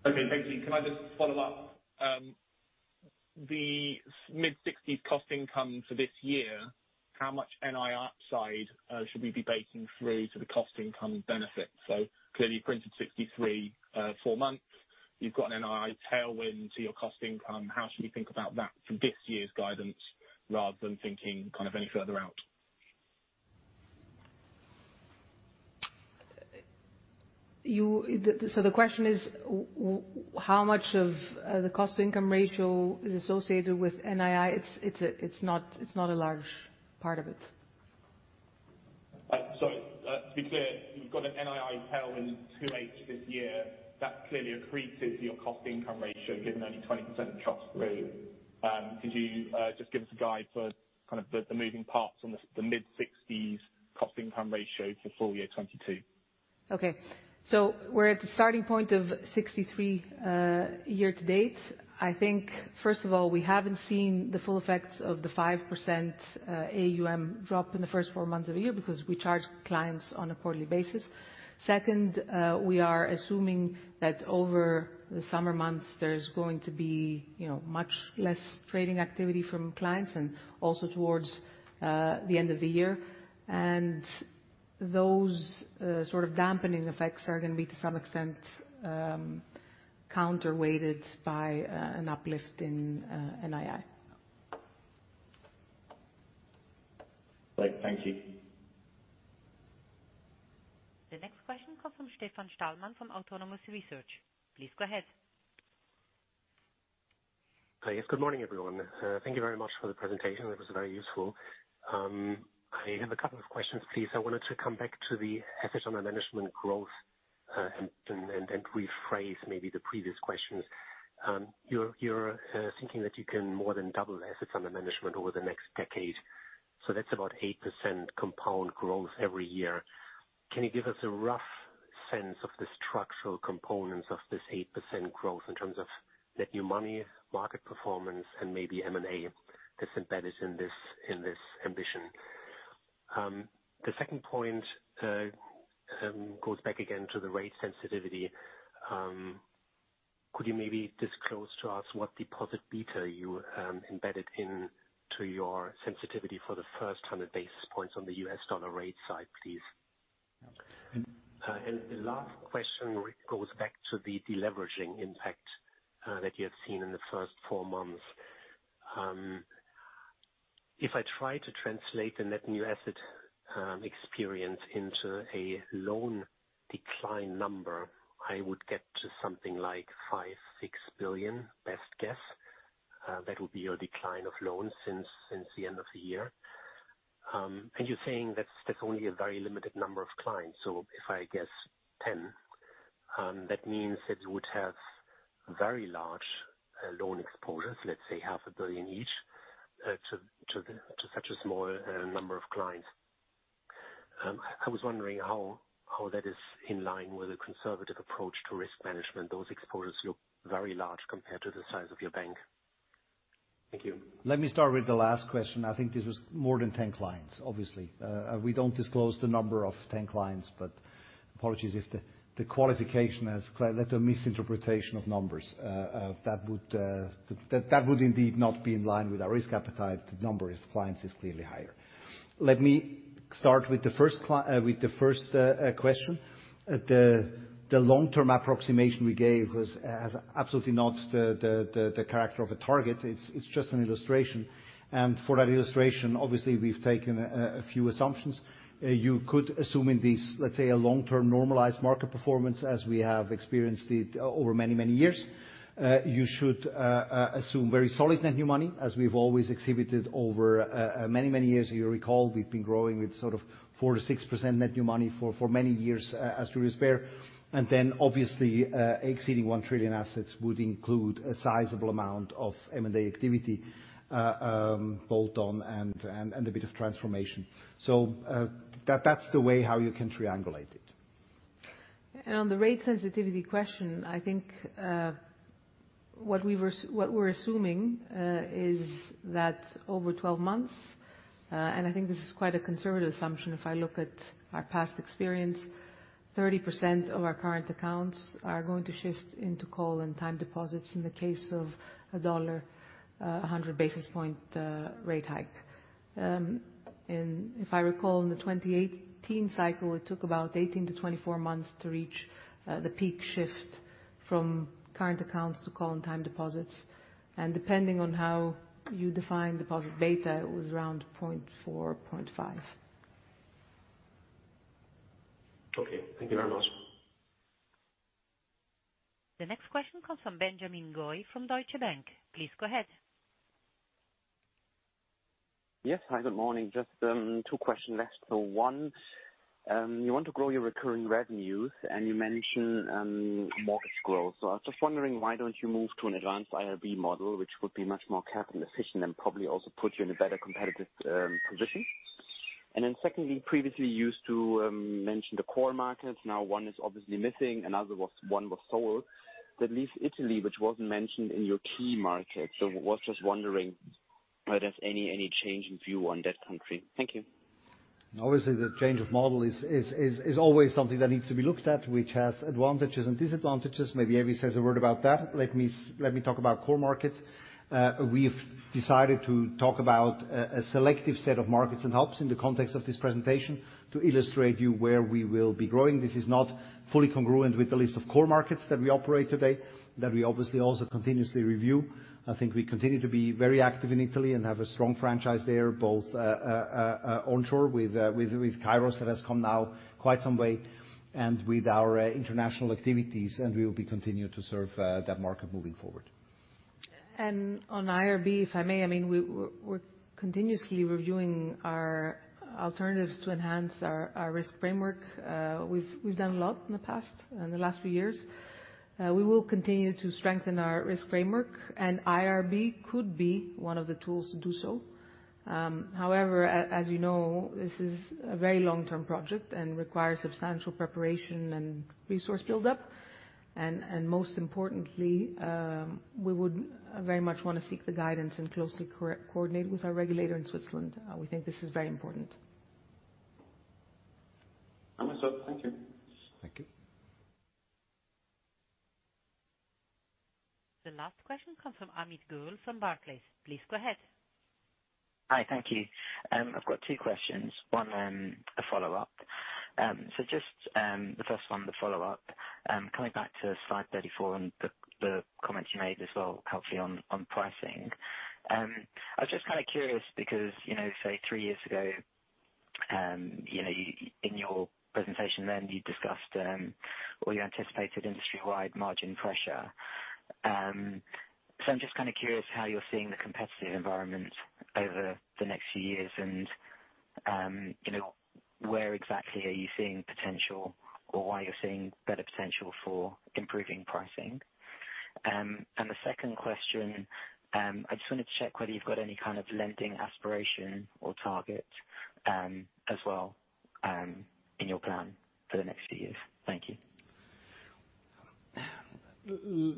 Okay, thank you. Can I just follow up? The mid-sixties cost-income for this year, how much NII upside should we be baking through to the cost-income benefit? Clearly you printed 63, four months. You've got an NII tailwind to your cost-income. How should we think about that for this year's guidance rather than thinking kind of any further out? The question is how much of the cost-income ratio is associated with NII. It's not a large part of it. Sorry. To be clear, you've got an NII tailwind to H this year that clearly increases your cost-income ratio given only 20% drops through. Could you just give us a guide for kind of the moving parts on the mid-sixties cost-income ratio for full year 2022? Okay. We're at the starting point of 63 year to date. I think, first of all, we haven't seen the full effects of the 5% AUM drop in the first four months of the year because we charge clients on a quarterly basis. Second, we are assuming that over the summer months there's going to be, you know, much less trading activity from clients and also towards the end of the year. Those sort of dampening effects are gonna be, to some extent, counterweighted by an uplift in NII. Great. Thank you. The next question comes from Stefan Stalmann from Autonomous Research. Please go ahead. Yes, good morning, everyone. Thank you very much for the presentation. That was very useful. I have a couple of questions, please. I wanted to come back to the assets under management growth, and rephrase maybe the previous questions. You're thinking that you can more than double assets under management over the next decade. So that's about 8% compound growth every year. Can you give us a rough sense of the structural components of this 8% growth in terms of net new money, market performance, and maybe M&A that's embedded in this ambition? The second point goes back again to the rate sensitivity. Could you maybe disclose to us what deposit beta you embedded into your sensitivity for the first 100 basis points on the U.S. dollar rate side, please? Yeah. The last question goes back to the deleveraging impact that you have seen in the first four months. If I try to translate the net new money experience into a loan decline number, I would get to something like 5 billion-6 billion, best guess. That would be your decline of loans since the end of the year. You're saying that's only a very limited number of clients. If I guess 10, that means it would have very large loan exposures, let's say 0.5 Billion each, to such a small number of clients. I was wondering how that is in line with a conservative approach to risk management. Those exposures look very large compared to the size of your bank. Thank you. Let me start with the last question. I think this was more than 10 clients, obviously. We don't disclose the number of 10 clients, but apologies if the qualification has led to a misinterpretation of numbers. That would indeed not be in line with our risk appetite. The number of clients is clearly higher. Let me start with the first question. The long-term approximation we gave has absolutely not the character of a target. It's just an illustration. For that illustration, obviously we've taken a few assumptions. You could assume in these, let's say, a long-term normalized market performance as we have experienced it over many years. You should assume very solid net new money, as we've always exhibited over many years. You'll recall we've been growing with sort of 4%-6% net new money for many years as we repair. Obviously, exceeding 1 trillion assets would include a sizable amount of M&A activity, bolt-on and a bit of transformation. That's the way how you can triangulate it. On the rate sensitivity question, I think what we're assuming is that over 12 months, and I think this is quite a conservative assumption if I look at our past experience, 30% of our current accounts are going to shift into call and time deposits in the case of the dollar, a 100 basis points rate hike. If I recall, in the 2018 cycle, it took about 18-24 months to reach the peak shift from current accounts to call and time deposits. Depending on how you define deposit beta, it was around 0.4, 0.5. Okay. Thank you very much. The next question comes from Benjamin Goy from Deutsche Bank. Please go ahead. Yes. Hi, good morning. Just two questions left. One, you want to grow your recurring revenues, and you mentioned mortgage growth. I was just wondering why don't you move to an advanced IRB model, which would be much more capital efficient and probably also put you in a better competitive position. Then secondly, previously you used to mention the core markets. Now one is obviously missing, another was sold. That leaves Italy, which wasn't mentioned in your key markets. I was just wondering are there any change in view on that country? Thank you. Obviously, the change of model is always something that needs to be looked at, which has advantages and disadvantages. Maybe Evie says a word about that. Let me talk about core markets. We've decided to talk about a selective set of markets and hubs in the context of this presentation to illustrate you where we will be growing. This is not fully congruent with the list of core markets that we operate today, that we obviously also continuously review. I think we continue to be very active in Italy and have a strong franchise there, both onshore with Kairos that has come now quite some way, and with our international activities. We will be continue to serve that market moving forward. On IRB, if I may, I mean, we're continuously reviewing our alternatives to enhance our risk framework. We've done a lot in the past, in the last few years. We will continue to strengthen our risk framework, and IRB could be one of the tools to do so. However, as you know, this is a very long-term project and requires substantial preparation and resource build-up. Most importantly, we would very much wanna seek the guidance and closely coordinate with our regulator in Switzerland. We think this is very important. I understand. Thank you. Thank you. The last question comes from Amit Goel from Barclays. Please go ahead. Hi. Thank you. I've got two questions. One, a follow-up. So just, the first one, the follow-up, coming back to slide 34 and the comments you made as well, obviously on pricing. I was just kinda curious because, you know, say three years ago, you know, in your presentation then you discussed, or you anticipated industry-wide margin pressure. So I'm just kinda curious how you're seeing the competitive environment over the next few years and, you know, where exactly are you seeing potential or why you're seeing better potential for improving pricing. The second question, I just wanna check whether you've got any kind of lending aspiration or target, as well, in your plan for the next few years. Thank you.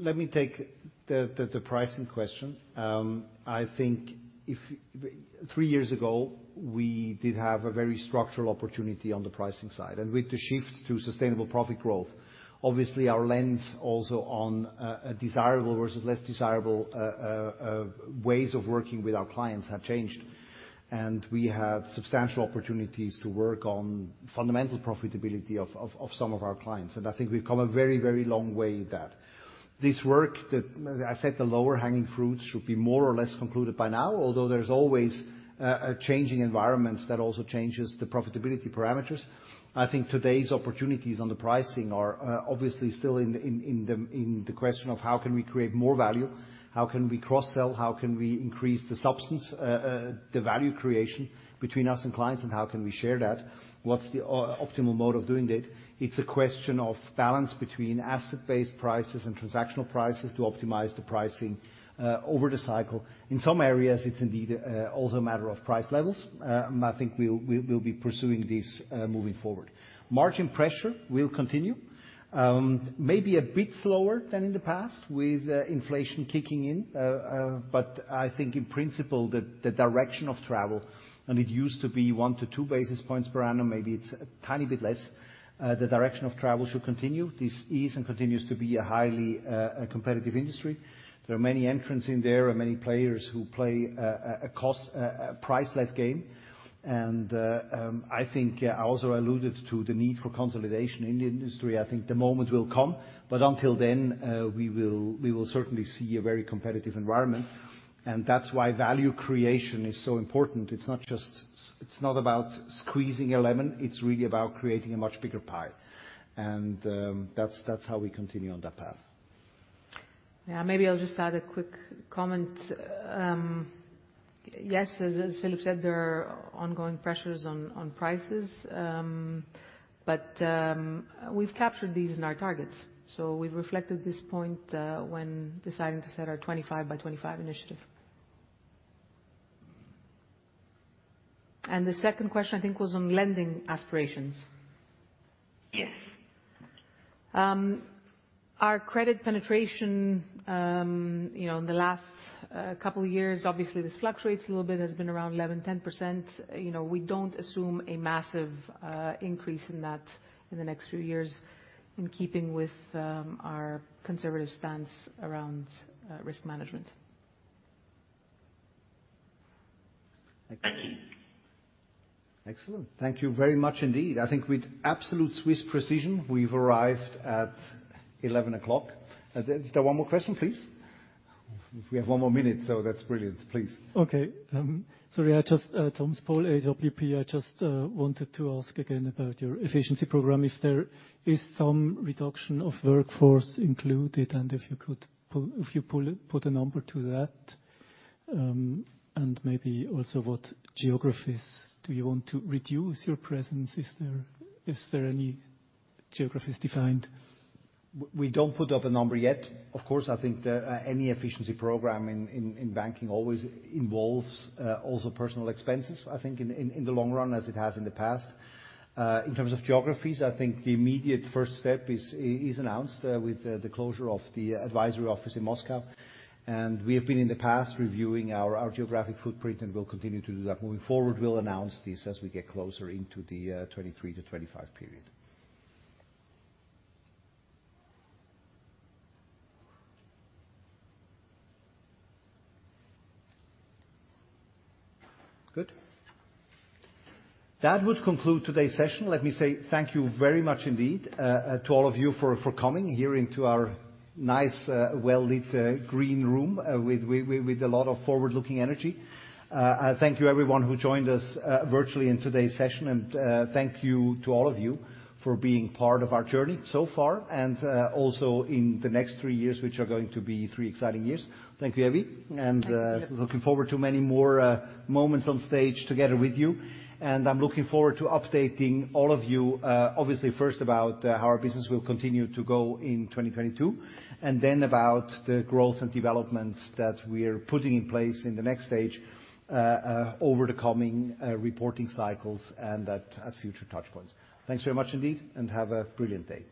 Let me take the pricing question. I think. Three years ago, we did have a very structural opportunity on the pricing side. With the shift to sustainable profit growth, obviously our lens also on desirable versus less desirable ways of working with our clients have changed. We have substantial opportunities to work on fundamental profitability of some of our clients. I think we've come a very long way with that. I said the lower hanging fruits should be more or less concluded by now, although there's always a changing environment that also changes the profitability parameters. I think today's opportunities on the pricing are obviously still in the question of how can we create more value? How can we cross-sell? How can we increase the substance, the value creation between us and clients? How can we share that? What's the optimal mode of doing that? It's a question of balance between asset-based prices and transactional prices to optimize the pricing over the cycle. In some areas, it's indeed also a matter of price levels. I think we'll be pursuing this moving forward. Margin pressure will continue, maybe a bit slower than in the past with inflation kicking in. I think in principle, the direction of travel, and it used to be 1-2 basis points per annum, maybe it's a tiny bit less, the direction of travel should continue. This is and continues to be a highly competitive industry. There are many entrants in there and many players who play a price-led game. I think I also alluded to the need for consolidation in the industry. I think the moment will come, but until then, we will certainly see a very competitive environment. That's why value creation is so important. It's not about squeezing a lemon, it's really about creating a much bigger pie. That's how we continue on that path. Yeah, maybe I'll just add a quick comment. Yes, as Philipp said, there are ongoing pressures on prices. But we've captured these in our targets. We've reflected this point when deciding to set our 25 by 25 initiative. The second question, I think, was on lending aspirations. Yes. Our credit penetration, you know, in the last couple years, obviously this fluctuates a little bit, has been around 10%. You know, we don't assume a massive increase in that in the next few years in keeping with our conservative stance around risk management. Thank you. Excellent. Thank you very much indeed. I think with absolute Swiss precision, we've arrived at 11 o'clock. Just one more question, please? We have one more minute, so that's brilliant. Please. Okay. Sorry, Thomas Paul, AWP. I just wanted to ask again about your efficiency program. If there is some reduction of workforce included, and if you could put a number to that? And maybe also what geographies do you want to reduce your presence? Is there any geographies defined? We don't put up a number yet. Of course, I think any efficiency program in banking always involves also personal expenses, I think in the long run, as it has in the past. In terms of geographies, I think the immediate first step is announced with the closure of the advisory office in Moscow. We have been, in the past, reviewing our geographic footprint, and we'll continue to do that. Moving forward, we'll announce this as we get closer into the 2023 to 2025 period. Good. That would conclude today's session. Let me say thank you very much indeed to all of you for coming here into our nice, well-lit, green room, with a lot of forward-looking energy. Thank you everyone who joined us virtually in today's session. Thank you to all of you for being part of our journey so far, and also in the next three years, which are going to be three exciting years. Thank you, Evie. Thank you. Looking forward to many more moments on stage together with you. I'm looking forward to updating all of you, obviously first about how our business will continue to go in 2022, and then about the growth and development that we're putting in place in the next stage over the coming reporting cycles and at future touchpoints. Thanks very much indeed, and have a brilliant day.